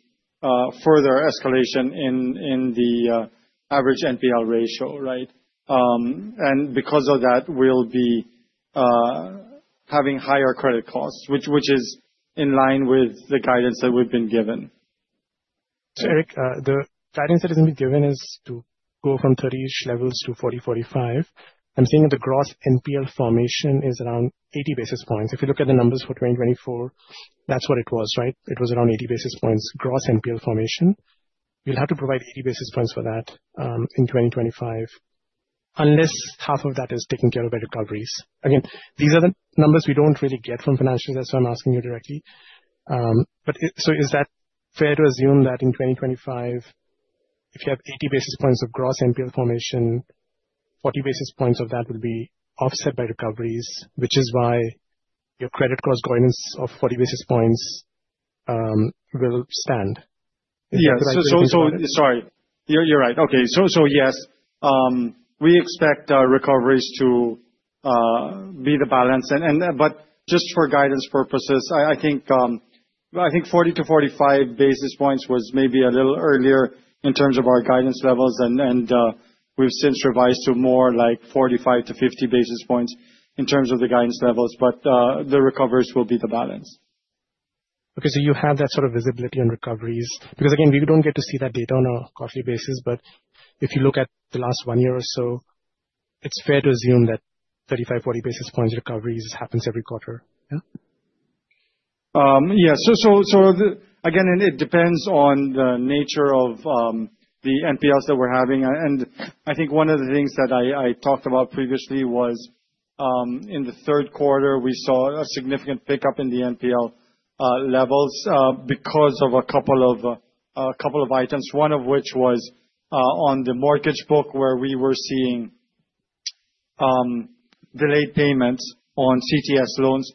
further escalation in the average NPL ratio, right? Because of that, we'll be having higher credit costs, which is in line with the guidance that we've been given. Eric, the guidance that has been given is to go from 30-ish levels to 40-45. I'm saying that the gross NPL formation is around 80 basis points. If you look at the numbers for 2024, that's what it was, right? It was around 80 basis points gross NPL formation. We'll have to provide 80 basis points for that, in 2025. Unless half of that is taken care of by recoveries. Again, these are the numbers we don't really get from financials, that's why I'm asking you directly. Is that fair to assume that in 2025, if you have 80 basis points of gross NPL formation, 40 basis points of that will be offset by recoveries, which is why your credit cost guidance of 40 basis points, will stand? Yeah. Sorry. You're right. Okay. Yes, we expect our recoveries to be the balance. Just for guidance purposes, I think 40-45 basis points was maybe a little earlier in terms of our guidance levels and we've since revised to more like 45-50 basis points in terms of the guidance levels, the recoveries will be the balance. Okay. You have that sort of visibility on recoveries, because again, we don't get to see that data on a quarterly basis. If you look at the last one year or so, it's fair to assume that 35, 40 basis points recoveries happens every quarter, yeah? Yeah. Again, it depends on the nature of the NPLs that we're having. I think one of the things that I talked about previously was, in the third quarter, we saw a significant pickup in the NPL levels because of a couple of items, one of which was on the mortgage book where we were seeing delayed payments on CTS loans.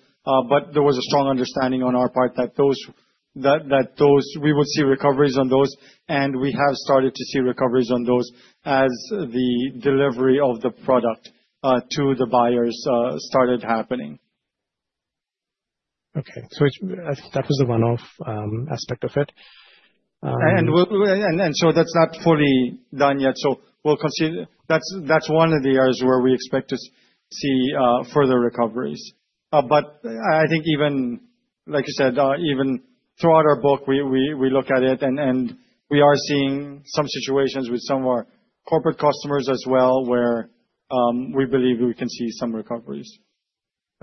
There was a strong understanding on our part that we would see recoveries on those, and we have started to see recoveries on those as the delivery of the product to the buyers started happening. Okay. That was a one-off aspect of it. That's not fully done yet. That's one of the areas where we expect to see further recoveries. I think even, like you said, even throughout our book, we look at it and we are seeing some situations with some of our corporate customers as well, where we believe we can see some recoveries.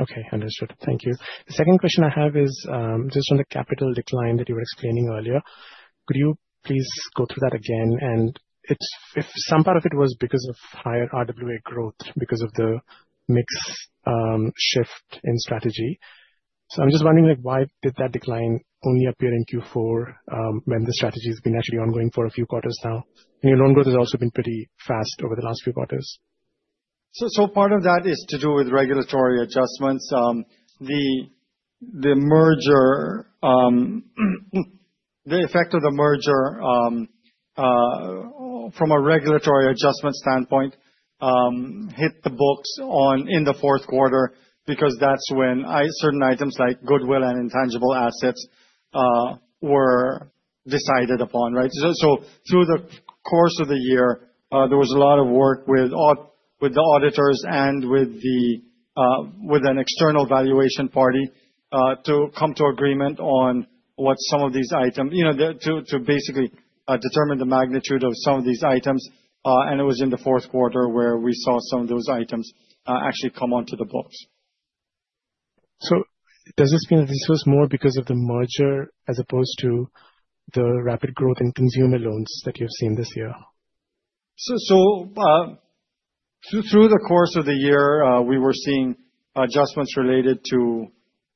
Okay, understood. Thank you. The second question I have is, just on the capital decline that you were explaining earlier. Could you please go through that again? If some part of it was because of higher RWA growth because of the mix shift in strategy. I'm just wondering why did that decline only appear in Q4, when the strategy has been actually ongoing for a few quarters now? Your loan growth has also been pretty fast over the last few quarters. Part of that is to do with regulatory adjustments. The effect of the merger, from a regulatory adjustment standpoint, hit the books in the fourth quarter because that's when certain items like goodwill and intangible assets were decided upon, right? Through the course of the year, there was a lot of work with the auditors and with an external valuation party, to basically determine the magnitude of some of these items. It was in the fourth quarter where we saw some of those items actually come onto the books. Does this mean that this was more because of the merger as opposed to the rapid growth in consumer loans that you've seen this year? Through the course of the year, we were seeing adjustments related to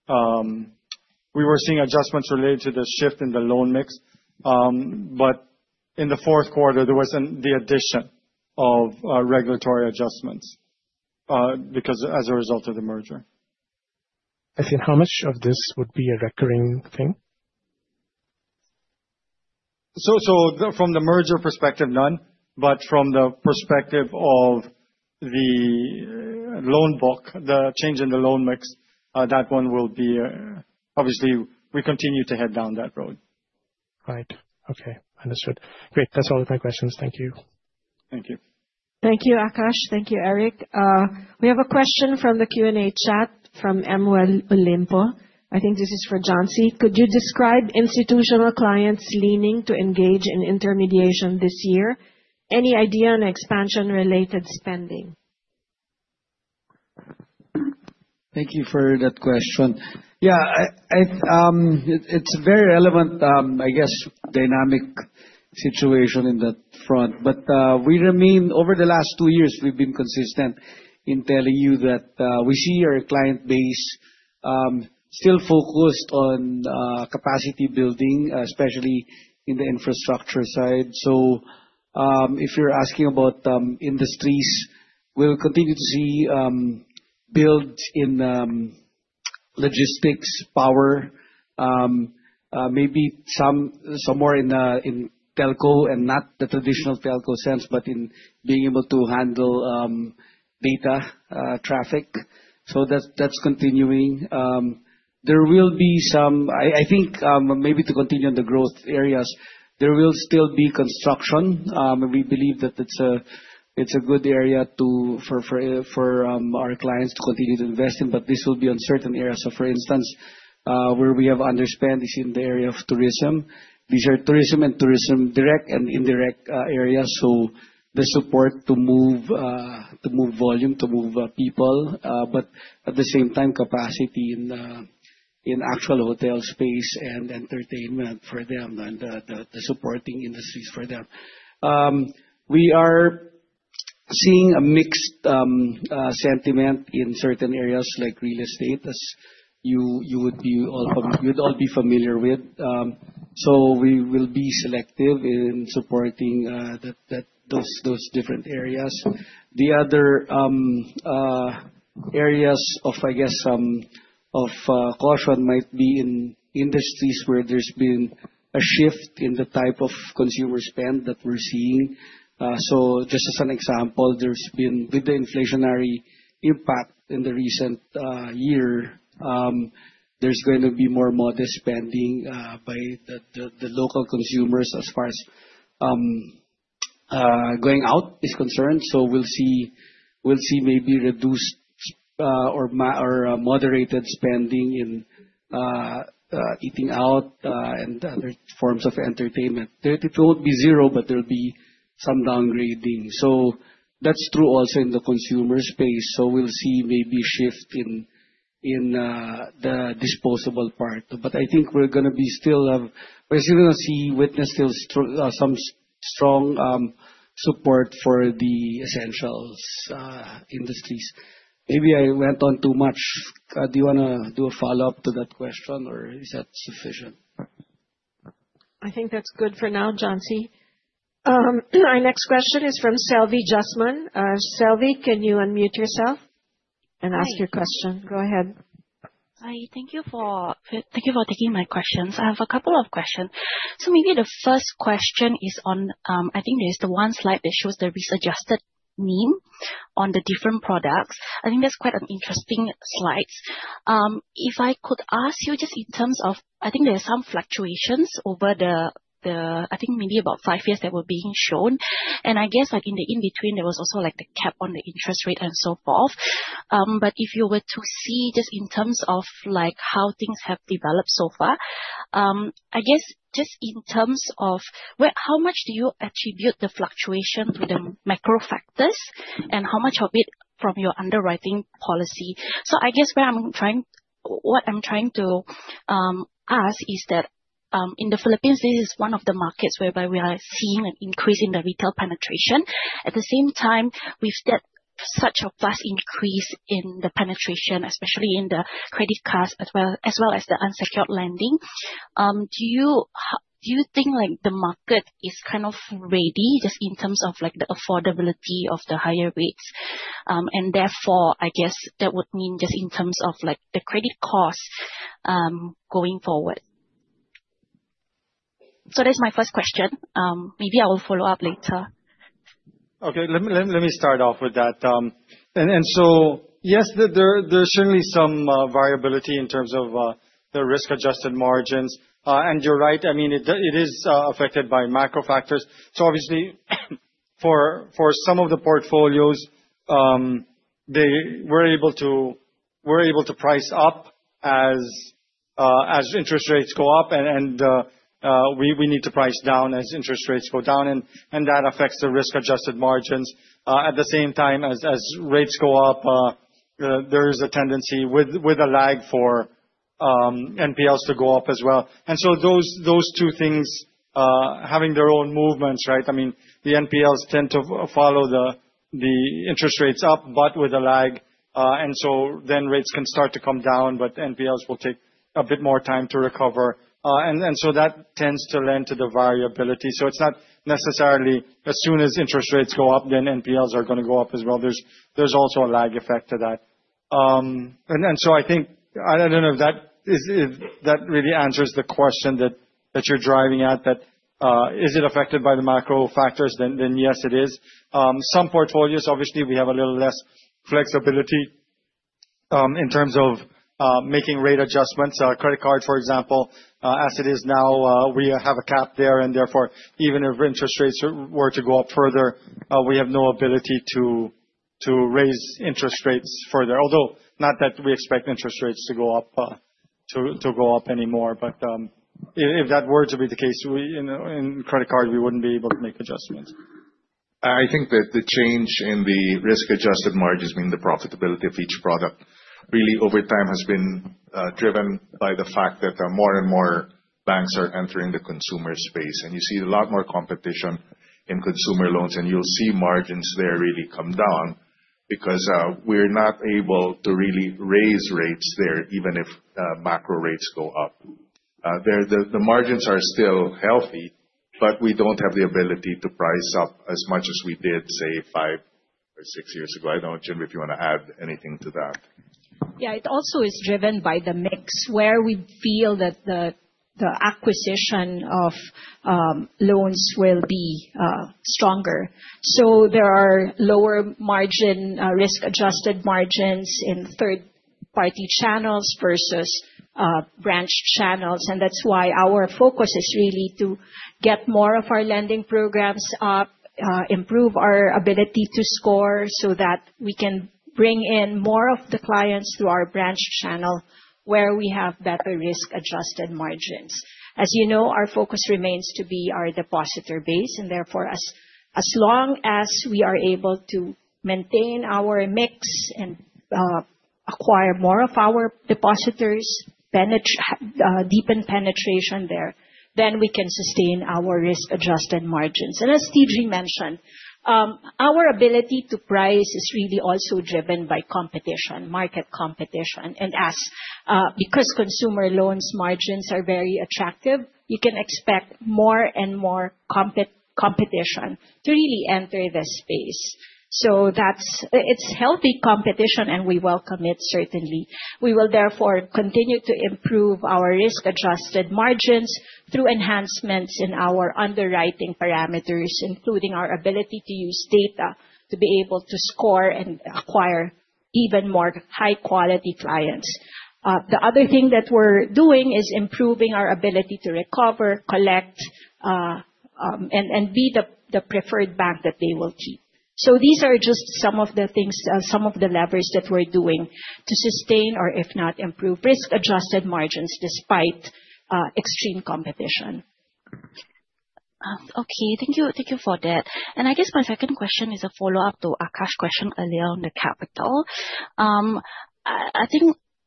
the shift in the loan mix. In the fourth quarter, there was the addition of regulatory adjustments as a result of the merger. I think how much of this would be a recurring thing? From the merger perspective, none, but from the perspective of the loan book, the change in the loan mix, that one will be Obviously we continue to head down that road. Right. Okay. Understood. Great. That's all of my questions. Thank you. Thank you. Thank you, Akash. Thank you, Eric. We have a question from the Q&A chat from Emmanuel Olimpo. I think this is for Johnsy. Could you describe institutional clients leaning to engage in intermediation this year? Any idea on expansion-related spending? Thank you for that question. Yeah. It's very relevant, I guess, dynamic situation in that front. Over the last two years, we've been consistent in telling you that we see our client base still focused on capacity building, especially in the infrastructure side. If you're asking about industries, we'll continue to see build in logistics power, maybe some more in telco and not the traditional telco sense, but in being able to handle data traffic. That's continuing. I think maybe to continue on the growth areas, there will still be construction. We believe that it's a good area for our clients to continue to invest in, but this will be on certain areas. For instance, where we have underspend is in the area of tourism. These are tourism and tourism direct and indirect areas. The support to move volume, to move people, but at the same time capacity in actual hotel space and entertainment for them and the supporting industries for them. We are seeing a mixed sentiment in certain areas like real estate, as you'd all be familiar with. We will be selective in supporting those different areas. The other areas of, I guess, caution might be in industries where there's been a shift in the type of consumer spend that we're seeing. Just as an example, with the inflationary impact in the recent year, there's going to be more modest spending by the local consumers as far as going out is concerned. We'll see maybe reduced or moderated spending in eating out and other forms of entertainment. It won't be zero, but there'll be some downgrading. That's true also in the consumer space. We'll see maybe a shift in the disposable part. I think we're still going to witness some strong support for the essentials industries. Maybe I went on too much. Do you want to do a follow-up to that question, or is that sufficient? I think that's good for now, Johnsy. Our next question is from Selvi Jasman. Selvi, can you unmute yourself and ask your question? Go ahead. Hi, thank you for taking my questions. I have a couple of questions. Maybe the first question is on, I think there's the one slide that shows the risk-adjusted mean on the different products. I think that's quite an interesting slide. If I could ask you just in terms of, I think there are some fluctuations over the, I think maybe about five years that were being shown. I guess like in the in-between, there was also the cap on the interest rate and so forth. If you were to see just in terms of how things have developed so far, I guess just in terms of how much do you attribute the fluctuation to the macro factors and how much of it from your underwriting policy? I guess what I'm trying to ask is that, in the Philippines, this is one of the markets whereby we are seeing an increase in the retail penetration. At the same time, we've seen such a vast increase in the penetration, especially in the credit cards, as well as the unsecured lending. Do you think the market is kind of ready just in terms of the affordability of the higher rates? Therefore, I guess that would mean just in terms of the credit cost, going forward. That's my first question. Maybe I will follow up later. Okay. Let me start off with that. Yes, there's certainly some variability in terms of the risk-adjusted margins. You're right, it is affected by macro factors. Obviously, for some of the portfolios, we're able to price up as interest rates go up, and we need to price down as interest rates go down, and that affects the risk-adjusted margins. At the same time as rates go up, there is a tendency with a lag for NPLs to go up as well. Those two things, having their own movements. The NPLs tend to follow the interest rates up, but with a lag. Then rates can start to come down, but NPLs will take a bit more time to recover. That tends to lend to the variability. It's not necessarily as soon as interest rates go up, then NPLs are going to go up as well. There's also a lag effect to that. I think, I don't know if that really answers the question that you're driving at, that is it affected by the macro factors, then yes, it is. Some portfolios, obviously, we have a little less flexibility in terms of making rate adjustments, credit card, for example, as it is now, we have a cap there, and therefore, even if interest rates were to go up further, we have no ability to raise interest rates further. Although, not that we expect interest rates to go up anymore. If that were to be the case, in credit card, we wouldn't be able to make adjustments. I think that the change in the risk-adjusted margins mean the profitability of each product, really over time has been driven by the fact that more and more banks are entering the consumer space. You see a lot more competition in consumer loans, and you'll see margins there really come down because we're not able to really raise rates there, even if macro rates go up. The margins are still healthy, but we don't have the ability to price up as much as we did, say, five or six years ago. I don't know, Jim, if you want to add anything to that. Yeah. It also is driven by the mix where we feel that the acquisition of loans will be stronger. There are lower margin risk-adjusted margins in third-party channels versus branch channels, and that's why our focus is really to get more of our lending programs up, improve our ability to score so that we can bring in more of the clients through our branch channel where we have better risk-adjusted margins. As you know, our focus remains to be our depositor base, and therefore, as long as we are able to maintain our mix and acquire more of our depositors, deepen penetration there, then we can sustain our risk-adjusted margins. As TG mentioned, our ability to price is really also driven by competition, market competition. Because consumer loans margins are very attractive, you can expect more and more competition to really enter the space. It's healthy competition, and we welcome it certainly. We will therefore continue to improve our risk-adjusted margins through enhancements in our underwriting parameters, including our ability to use data to be able to score and acquire even more high-quality clients. The other thing that we're doing is improving our ability to recover, collect, and be the preferred bank that they will keep. These are just some of the things, some of the levers that we're doing to sustain or if not, improve risk-adjusted margins despite extreme competition. Okay. Thank you for that. I guess my second question is a follow-up to Akash's question earlier on the capital.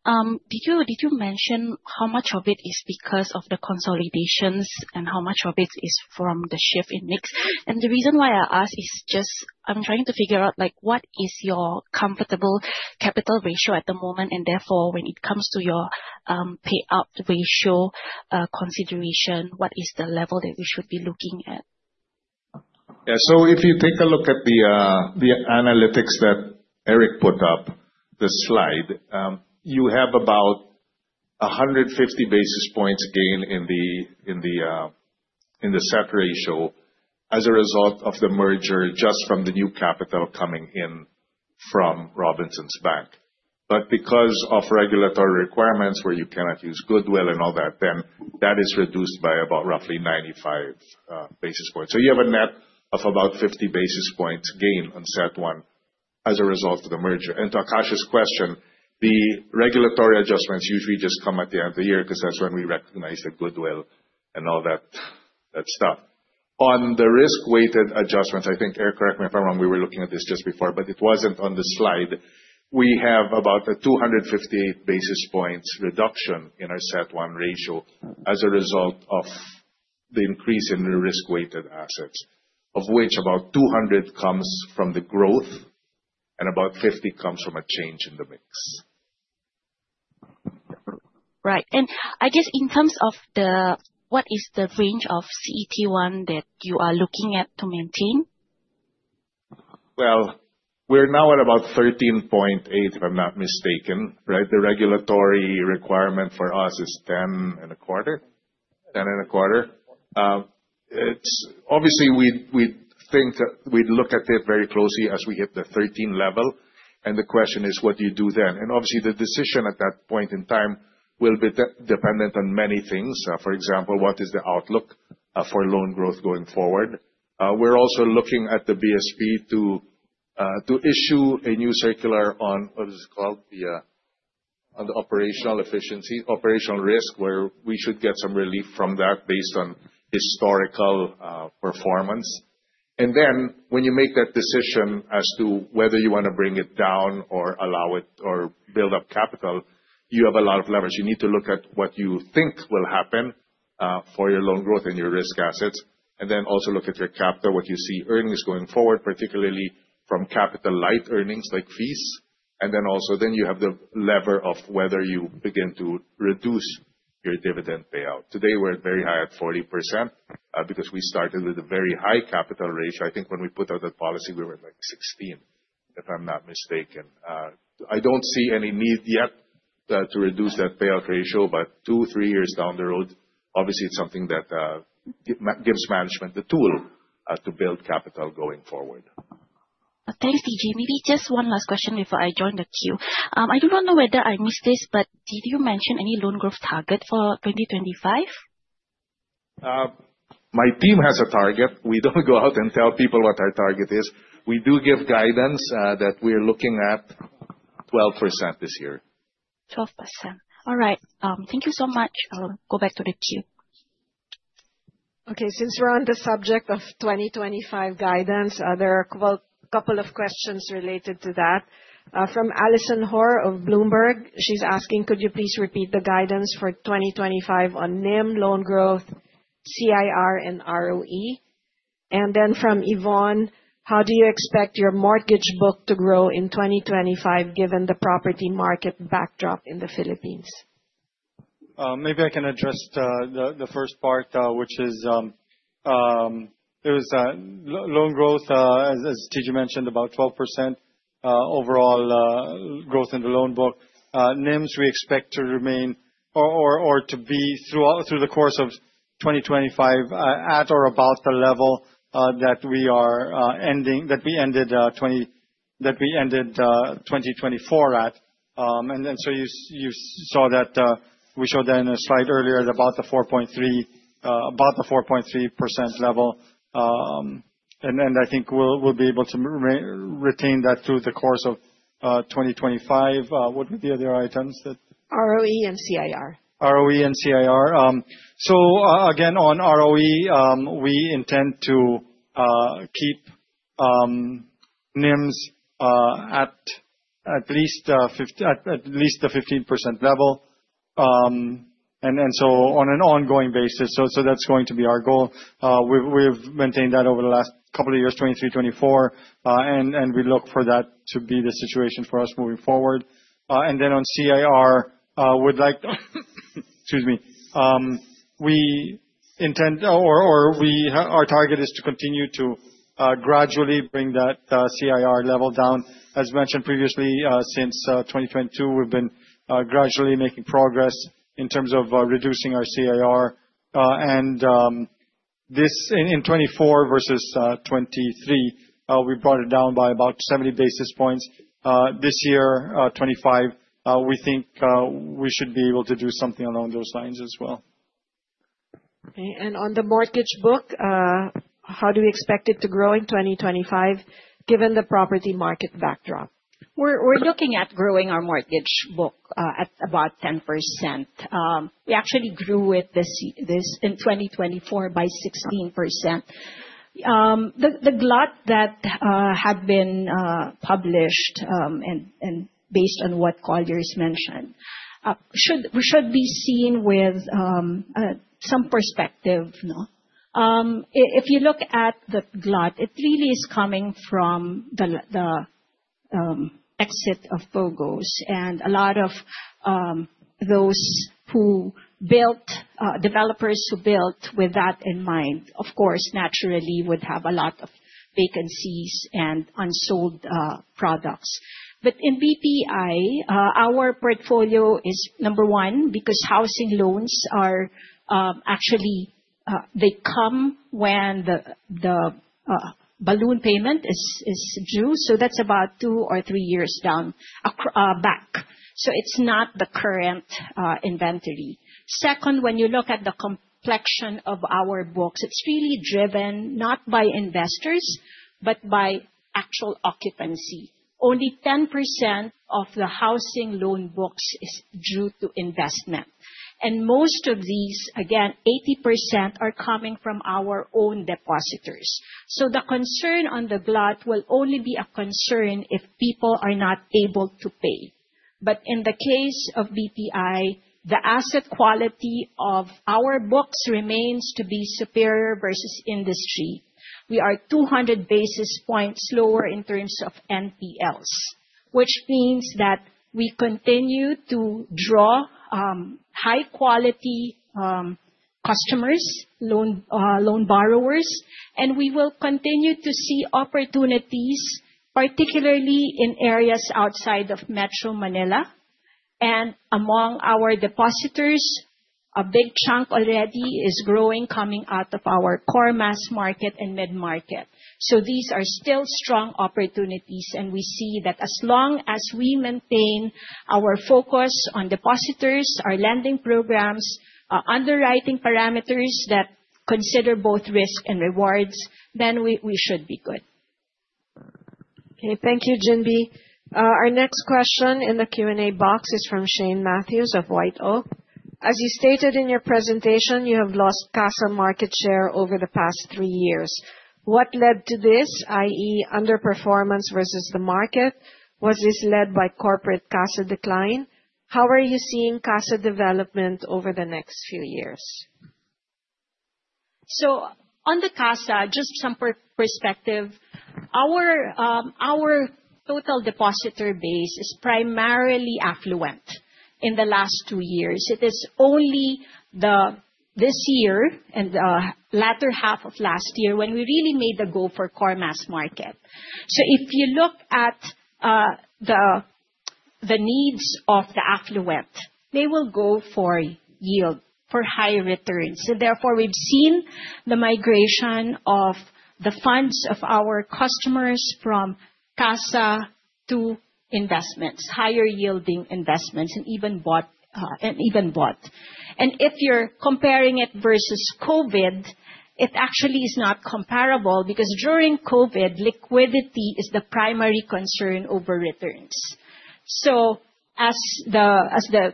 Did you mention how much of it is because of the consolidations and how much of it is from the shift in mix? The reason why I ask is just I'm trying to figure out what is your comfortable capital ratio at the moment, and therefore, when it comes to your payout ratio consideration, what is the level that we should be looking at? Yeah. If you take a look at the analytics that Eric put up, the slide, you have about 150 basis points gain in the CET1 ratio as a result of the merger just from the new capital coming in from Robinsons Bank. Because of regulatory requirements where you cannot use goodwill and all that is reduced by about roughly 95 basis points. You have a net of about 50 basis points gain on CET1 as a result of the merger. To Akash's question, the regulatory adjustments usually just come at the end of the year because that's when we recognize the goodwill and all that stuff. On the risk-weighted adjustments, I think, Eric, correct me if I'm wrong, we were looking at this just before, but it wasn't on the slide. We have about a 258 basis points reduction in our CET1 ratio as a result of the increase in risk-weighted assets, of which about 200 comes from the growth and about 50 comes from a change in the mix. Right. I guess in terms of what is the range of CET1 that you are looking at to maintain? Well, we're now at about 13.8, if I'm not mistaken, right? The regulatory requirement for us is 10.25. Obviously, we'd look at it very closely as we hit the 13 level, and the question is, what do you do then? Obviously, the decision at that point in time will be dependent on many things. For example, what is the outlook for loan growth going forward? We're also looking at the BSP to issue a new circular on, what is it called? On the operational risk, where we should get some relief from that based on historical performance. Then when you make that decision as to whether you want to bring it down or allow it or build up capital, you have a lot of leverage. You need to look at what you think will happen for your loan growth and your risk assets, then also look at your capital, what you see earnings going forward, particularly from capital light earnings like fees. Then also, then you have the lever of whether you begin to reduce your dividend payout. Today, we're at very high at 40% because we started with a very high capital ratio. I think when we put out that policy, we were at, like, 16, if I'm not mistaken. I don't see any need yet to reduce that payout ratio by two, three years down the road. Obviously, it's something that gives management the tool to build capital going forward. Thanks, TG. Maybe just one last question before I join the queue. I do not know whether I missed this, but did you mention any loan growth target for 2025? My team has a target. We don't go out and tell people what our target is. We do give guidance that we're looking at 12% this year. 12%. All right. Thank you so much. I'll go back to the queue. Since we're on the subject of 2025 guidance, there are a couple of questions related to that. From Allison Hor of Bloomberg. She's asking, could you please repeat the guidance for 2025 on NIM, loan growth, CIR, and ROE? From Yvonne, how do you expect your mortgage book to grow in 2025 given the property market backdrop in the Philippines? Maybe I can address the first part, which is, loan growth, as TG mentioned, about 12% overall growth in the loan book. NIMs, we expect to remain or to be, through the course of 2025, at or above the level that we ended 2024 at. You saw that, we showed that in a slide earlier at about the 4.3% level. I think we'll be able to retain that through the course of 2025. What were the other items that? ROE and CIR. ROE and CIR. Again, on ROE, we intend to keep NIMs at least the 15% level. On an ongoing basis, that's going to be our goal. We've maintained that over the last couple of years, 2023, 2024. We look for that to be the situation for us moving forward. On CIR, we'd like. Excuse me. Our target is to continue to gradually bring that CIR level down. As mentioned previously, since 2022, we've been gradually making progress in terms of reducing our CIR. In 2024 versus 2023, we brought it down by about 70 basis points. This year, 2025, we think we should be able to do something along those lines as well. Okay. On the mortgage book, how do we expect it to grow in 2025, given the property market backdrop? We're looking at growing our mortgage book at about 10%. We actually grew it in 2024 by 16%. The glut that had been published, based on what Colliers mentioned, should be seen with some perspective. If you look at the glut, it really is coming from the exit of POGOs. A lot of developers who built with that in mind, of course, naturally would have a lot of vacancies and unsold products. In BPI, our portfolio is number one, because housing loans are actually, they come when the balloon payment is due. That's about two or three years back. It's not the current inventory. Second, when you look at the complexion of our books, it's really driven not by investors, but by actual occupancy. Only 10% of the housing loan books is due to investment. Most of these, again, 80% are coming from our own depositors. The concern on the glut will only be a concern if people are not able to pay. In the case of BPI, the asset quality of our books remains to be superior versus industry. We are 200 basis points lower in terms of NPLs. Which means that we continue to draw high quality customers, loan borrowers, and we will continue to see opportunities, particularly in areas outside of Metro Manila. Among our depositors, a big chunk already is growing, coming out of our core mass market and mid-market. These are still strong opportunities, and we see that as long as we maintain our focus on depositors, our lending programs, our underwriting parameters that consider both risk and rewards, then we should be good. Okay. Thank you, Ginbee. Our next question in the Q&A box is from Shane Matthews of White Oak. As you stated in your presentation, you have lost CASA market share over the past 3 years. What led to this, i.e., underperformance versus the market? Was this led by corporate CASA decline? How are you seeing CASA development over the next few years? On the CASA, just some perspective. Our total depositor base is primarily affluent. In the last 2 years, it is only this year and the latter half of last year when we really made the goal for core mass market. If you look at the needs of the affluent, they will go for yield, for higher returns. Therefore, we've seen the migration of the funds of our customers from CASA to investments, higher yielding investments, and even both. If you're comparing it versus COVID, it actually is not comparable because during COVID, liquidity is the primary concern over returns. As the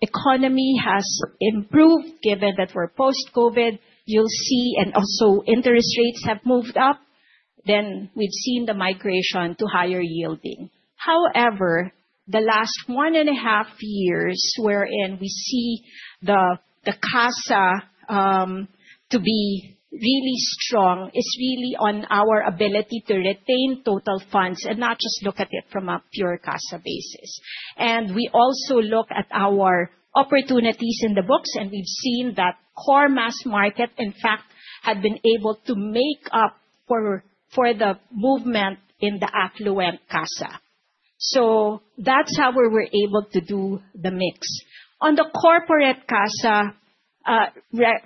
economy has improved, given that we're post-COVID, you'll see, and also interest rates have moved up, we've seen the migration to higher yielding. However, the last one and a half years wherein we see the CASA to be really strong is really on our ability to retain total funds and not just look at it from a pure CASA basis. We also look at our opportunities in the books, and we've seen that core mass market, in fact, had been able to make up for the movement in the affluent CASA. That's how we were able to do the mix. On the corporate CASA,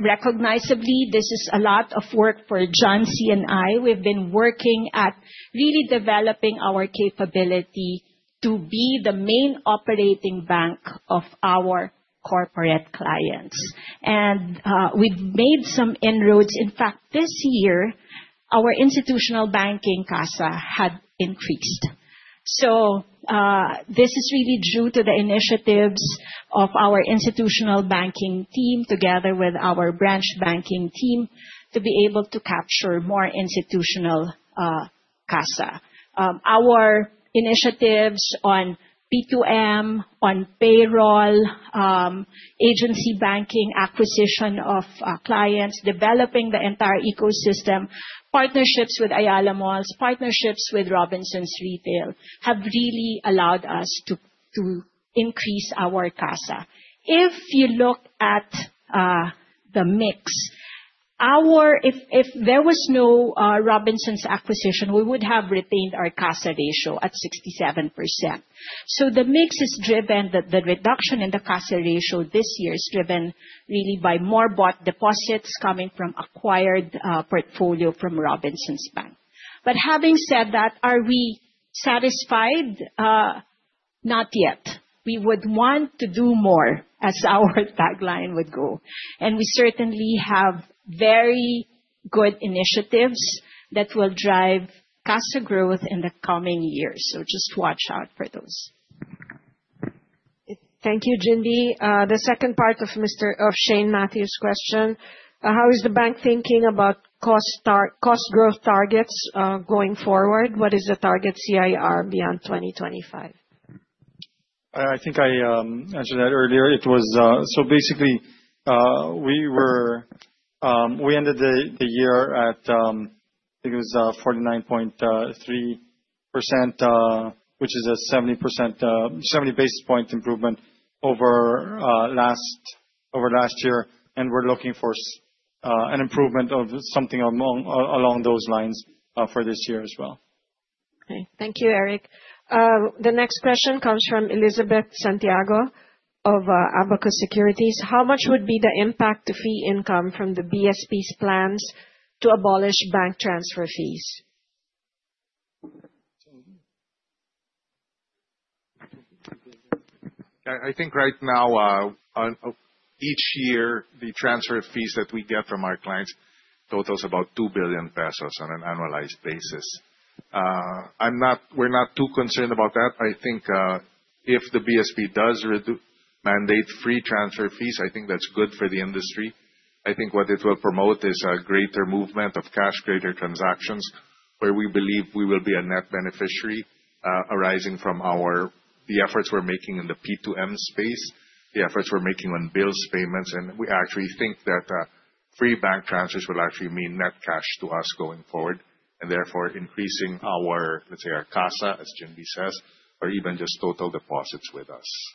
recognizably, this is a lot of work for John C. and I. We've been working at really developing our capability to be the main operating bank of our corporate clients. We've made some inroads. In fact, this year, our institutional banking CASA had increased. This is really due to the initiatives of our institutional banking team together with our branch banking team to be able to capture more institutional CASA. Our initiatives on P2M, on payroll, agency banking, acquisition of clients, developing the entire ecosystem, partnerships with Ayala Malls, partnerships with Robinsons Retail, have really allowed us to increase our CASA. If you look at the mix, if there was no Robinsons acquisition, we would have retained our CASA ratio at 67%. The mix is driven, the reduction in the CASA ratio this year is driven really by more bought deposits coming from acquired portfolio from Robinsons Bank. Having said that, are we satisfied? Not yet. We would want to do more as our tagline would go. We certainly have very good initiatives that will drive CASA growth in the coming years. Just watch out for those. Thank you, Jindy. The second part of Shane Matthews' question, how is the bank thinking about cost growth targets going forward? What is the target CIR beyond 2025? I think I answered that earlier. Basically, we ended the year at, I think it was 49.3%, which is a 70 basis point improvement over last year. We're looking for an improvement of something along those lines for this year as well. Okay. Thank you, Eric. The next question comes from Elizabeth Santiago of Abacus Securities. How much would be the impact to fee income from the BSP's plans to abolish bank transfer fees? It's all you. I think right now, on each year, the transfer fees that we get from our clients totals about 2 billion pesos on an annualized basis. We're not too concerned about that. I think if the BSP does mandate free transfer fees, I think that's good for the industry. I think what it will promote is a greater movement of cash greater transactions, where we believe we will be a net beneficiary arising from the efforts we're making in the P2M space, the efforts we're making on bills payments. We actually think that free bank transfers will actually mean net cash to us going forward, and therefore increasing our, let's say, our CASA, as Jindy says, or even just total deposits with us.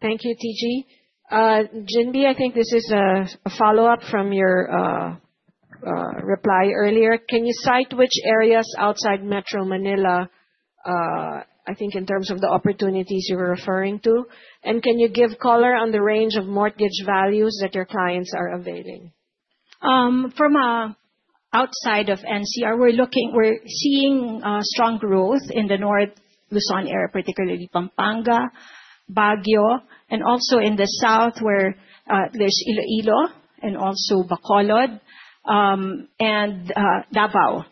Thank you, TG. Jindy, I think this is a follow-up from your reply earlier. Can you cite which areas outside Metro Manila, I think in terms of the opportunities you were referring to? Can you give color on the range of mortgage values that your clients are availing? From outside of NCR, we're seeing strong growth in the North Luzon area, particularly Pampanga, Baguio, and also in the south where there's Iloilo, and also Bacolod, and Davao.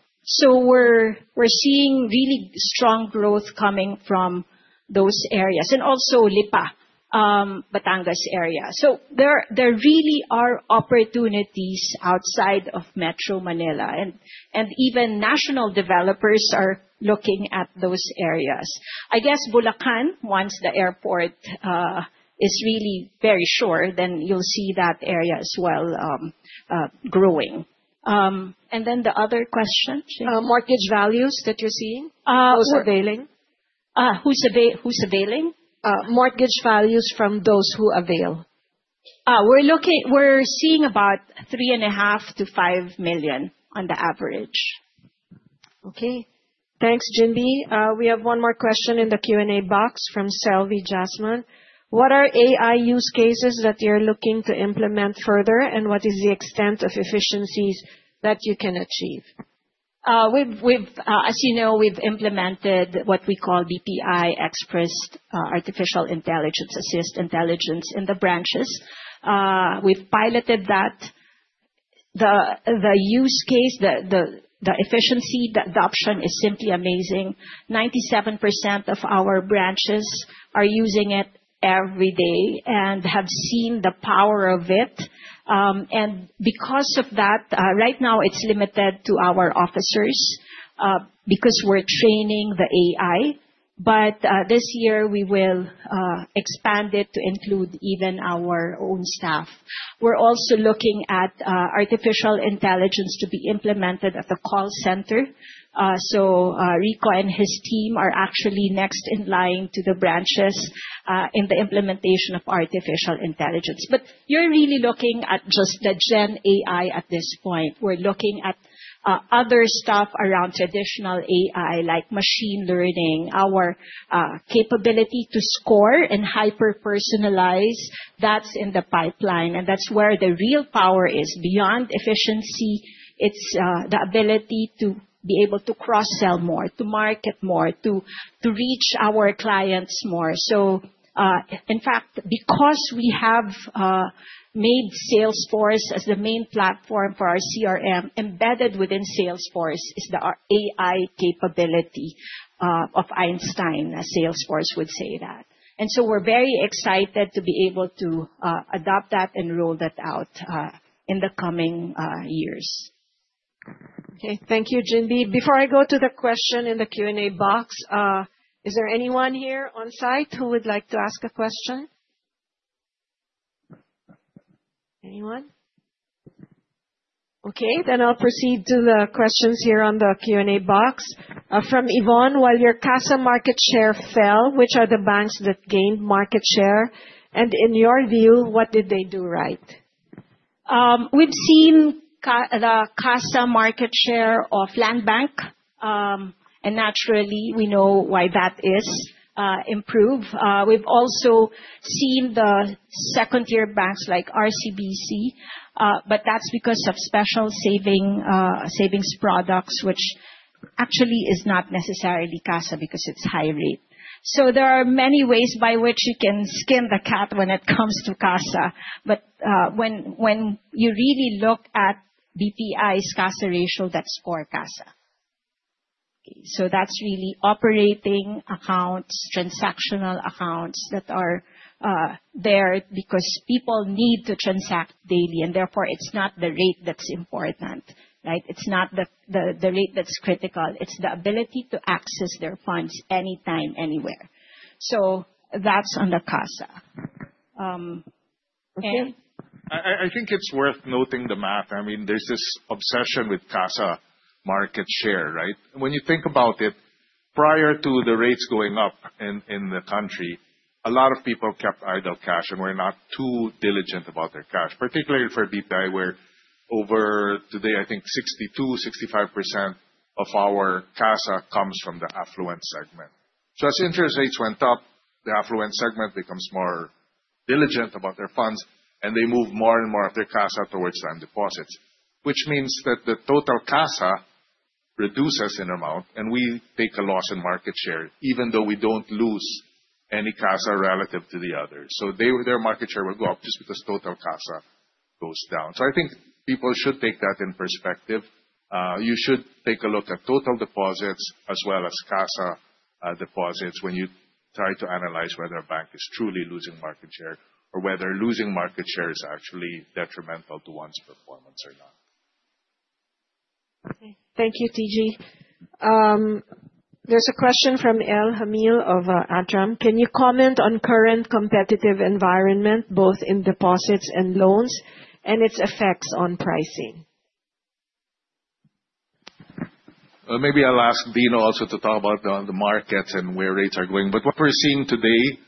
We're seeing really strong growth coming from those areas. Also Lipa, Batangas area. There really are opportunities outside of Metro Manila, and even national developers are looking at those areas. I guess Bulacan, once the airport is really very sure, you'll see that area as well growing. The other question? Mortgage values that you're seeing also availing. Who's availing? Mortgage values from those who avail. We're seeing about three and a half million to 5 million on the average. Okay. Thanks, Ginbee. We have one more question in the Q&A box from Selvi Jasman. What are AI use cases that you're looking to implement further, what is the extent of efficiencies that you can achieve? As you know, we've implemented what we call BPI Express Artificial Intelligence Assist Intelligence in the branches. We've piloted that. The use case, the efficiency, the adoption is simply amazing. 97% of our branches are using it every day and have seen the power of it. Because of that, right now it's limited to our officers because we're training the AI. This year we will expand it to include even our own staff. We're also looking at artificial intelligence to be implemented at the call center. Rico and his team are actually next in line to the branches in the implementation of artificial intelligence. You're really looking at just the GenAI at this point. We're looking at other stuff around traditional AI, like machine learning, our capability to score and hyper-personalize. That's in the pipeline, and that's where the real power is. Beyond efficiency, it's the ability to be able to cross-sell more, to market more, to reach our clients more. In fact, because we have made Salesforce as the main platform for our CRM, embedded within Salesforce is our AI capability of Einstein, as Salesforce would say that. We're very excited to be able to adopt that and roll that out in the coming years. Thank you, Ginbee. Before I go to the question in the Q&A box, is there anyone here on-site who would like to ask a question? Anyone? I'll proceed to the questions here on the Q&A box. From Yvonne: While your CASA market share fell, which are the banks that gained market share? In your view, what did they do right? We've seen the CASA market share of Landbank, naturally, we know why that is improved. We've also seen the second-tier banks like RCBC, that's because of special savings products, which actually is not necessarily CASA because it's high rate. There are many ways by which you can skin the cat when it comes to CASA. When you really look at BPI's CASA ratio, that's core CASA. That's really operating accounts, transactional accounts that are there because people need to transact daily, and therefore it's not the rate that's important, right? It's not the rate that's critical. It's the ability to access their funds anytime, anywhere. That's on the CASA. I think it's worth noting the math. There's this obsession with CASA market share, right? When you think about it, prior to the rates going up in the country, a lot of people kept idle cash and were not too diligent about their cash. Particularly for BPI, where over, today, I think 62%, 65% of our CASA comes from the affluent segment. As interest rates went up, the affluent segment becomes more diligent about their funds, and they move more and more of their CASA towards time deposits, which means that the total CASA reduces in amount, and we take a loss in market share, even though we don't lose any CASA relative to the others. Their market share will go up just because total CASA goes down. I think people should take that in perspective. You should take a look at total deposits as well as CASA deposits when you try to analyze whether a bank is truly losing market share or whether losing market share is actually detrimental to one's performance or not. Okay. Thank you, TG. There's a question from L Hamil of ATRAM. Can you comment on current competitive environment, both in deposits and loans, and its effects on pricing? Well, maybe I'll ask Dino also to talk about the markets and where rates are going. What we're seeing today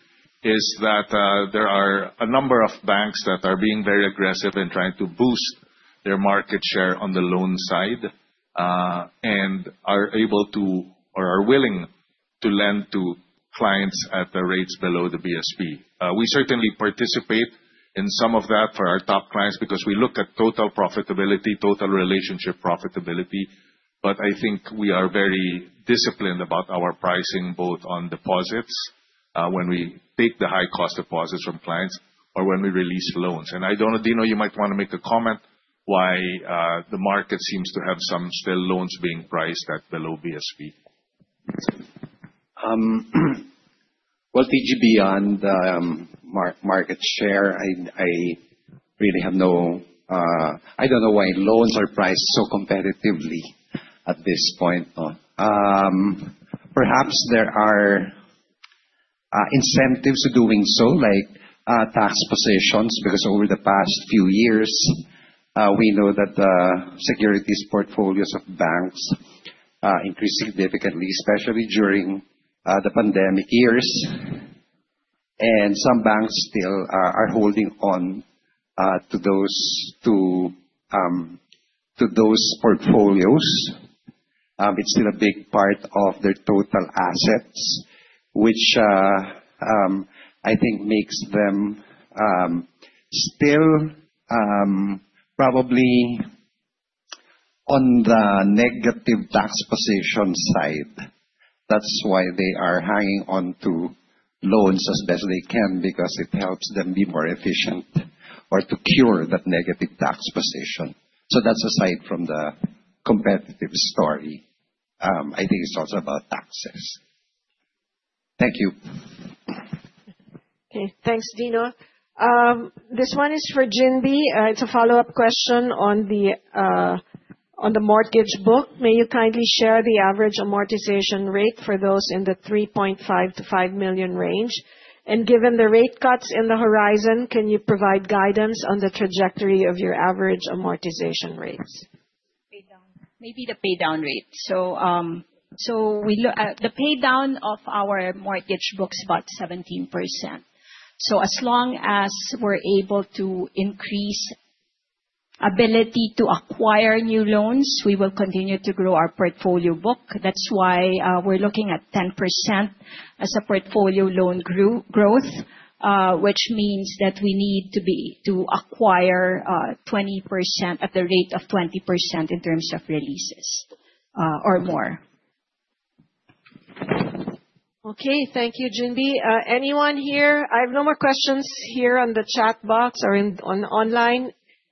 is that there are a number of banks that are being very aggressive in trying to boost their market share on the loan side, and are able to or are willing to lend to clients at the rates below the BSP. We certainly participate in some of that for our top clients because we look at total profitability, total relationship profitability. I think we are very disciplined about our pricing, both on deposits, when we take the high cost deposits from clients or when we release loans. I don't know, Dino, you might want to make a comment why the market seems to have some still loans being priced at below BSP. Well, TG, beyond market share, I don't know why loans are priced so competitively at this point. Perhaps there are incentives to doing so, like tax positions, because over the past few years, we know that the securities portfolios of banks increased significantly, especially during the pandemic years. Some banks still are holding on to those portfolios. It's still a big part of their total assets, which I think makes them still probably on the negative tax position side. That's why they are hanging on to loans as best they can because it helps them be more efficient or to cure that negative tax position. That's aside from the competitive story. I think it's also about taxes. Thank you. Thanks, Dino. This one is for Jindy. It's a follow-up question on the mortgage book. May you kindly share the average amortization rate for those in the $3.5 million-$5 million range? Given the rate cuts in the horizon, can you provide guidance on the trajectory of your average amortization rates? Maybe the pay down rate. The pay down of our mortgage book's about 17%. As long as we're able to increase ability to acquire new loans, we will continue to grow our portfolio book. That's why we're looking at 10% as a portfolio loan growth, which means that we need to acquire at the rate of 20% in terms of releases, or more. Okay. Thank you, Jindy. I have no more questions here on the chat box or online.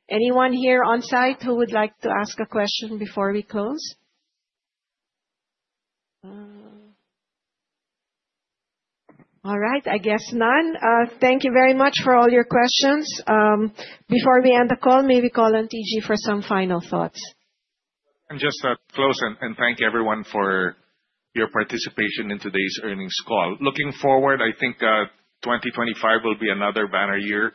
Anyone here on-site who would like to ask a question before we close? I guess none. Thank you very much for all your questions. Before we end the call, may we call on TG for some final thoughts. Just close and thank everyone for your participation in today's earnings call. Looking forward, I think that 2025 will be another banner year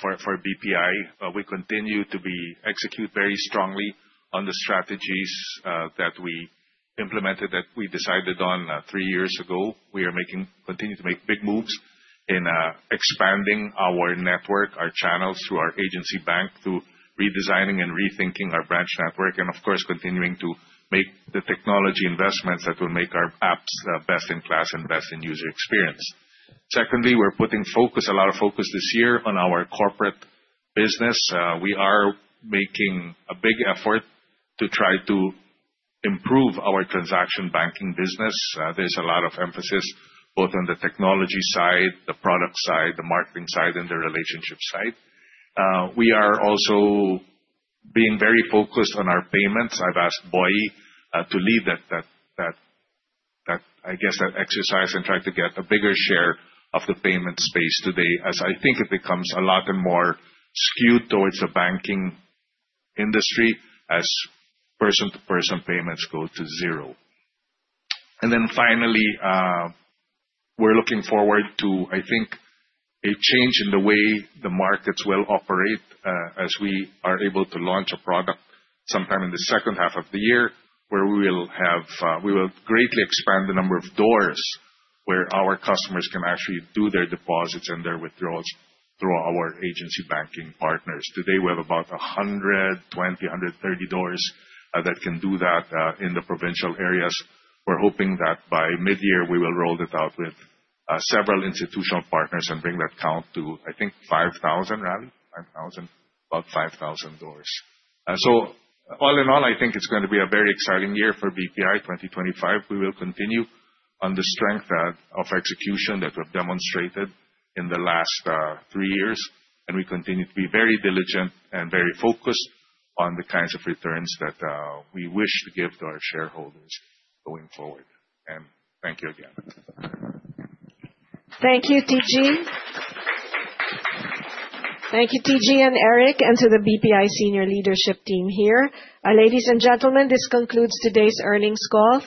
for BPI. We continue to execute very strongly on the strategies that we implemented, that we decided on three years ago. We are continuing to make big moves in expanding our network, our channels through our agency bank, through redesigning and rethinking our branch network, and of course, continuing to make the technology investments that will make our apps best in class and best in user experience. Secondly, we're putting a lot of focus this year on our corporate business. We are making a big effort to try to improve our transaction banking business. There's a lot of emphasis both on the technology side, the product side, the marketing side, and the relationship side. We are also being very focused on our payments. I've asked Boy to lead that, I guess, exercise and try to get a bigger share of the payment space today, as I think it becomes a lot more skewed towards the banking industry as person-to-person payments go to zero. Finally, we're looking forward to, I think, a change in the way the markets will operate, as we are able to launch a product sometime in the second half of the year, where we will greatly expand the number of doors where our customers can actually do their deposits and their withdrawals through our agency banking partners. Today, we have about 120, 130 doors that can do that in the provincial areas. We're hoping that by mid-year, we will roll it out with several institutional partners and bring that count to, I think, 5,000, Ravy? 5,000. About 5,000 doors. All in all, I think it's going to be a very exciting year for BPI, 2025. We will continue on the strength of execution that we've demonstrated in the last three years, and we continue to be very diligent and very focused on the kinds of returns that we wish to give to our shareholders going forward. Thank you again. Thank you, TG. Thank you, TG and Eric, and to the BPI senior leadership team here. Ladies and gentlemen, this concludes today's earnings call.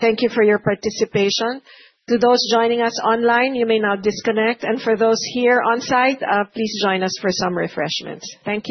Thank you for your participation. To those joining us online, you may now disconnect. For those here on-site, please join us for some refreshments. Thank you.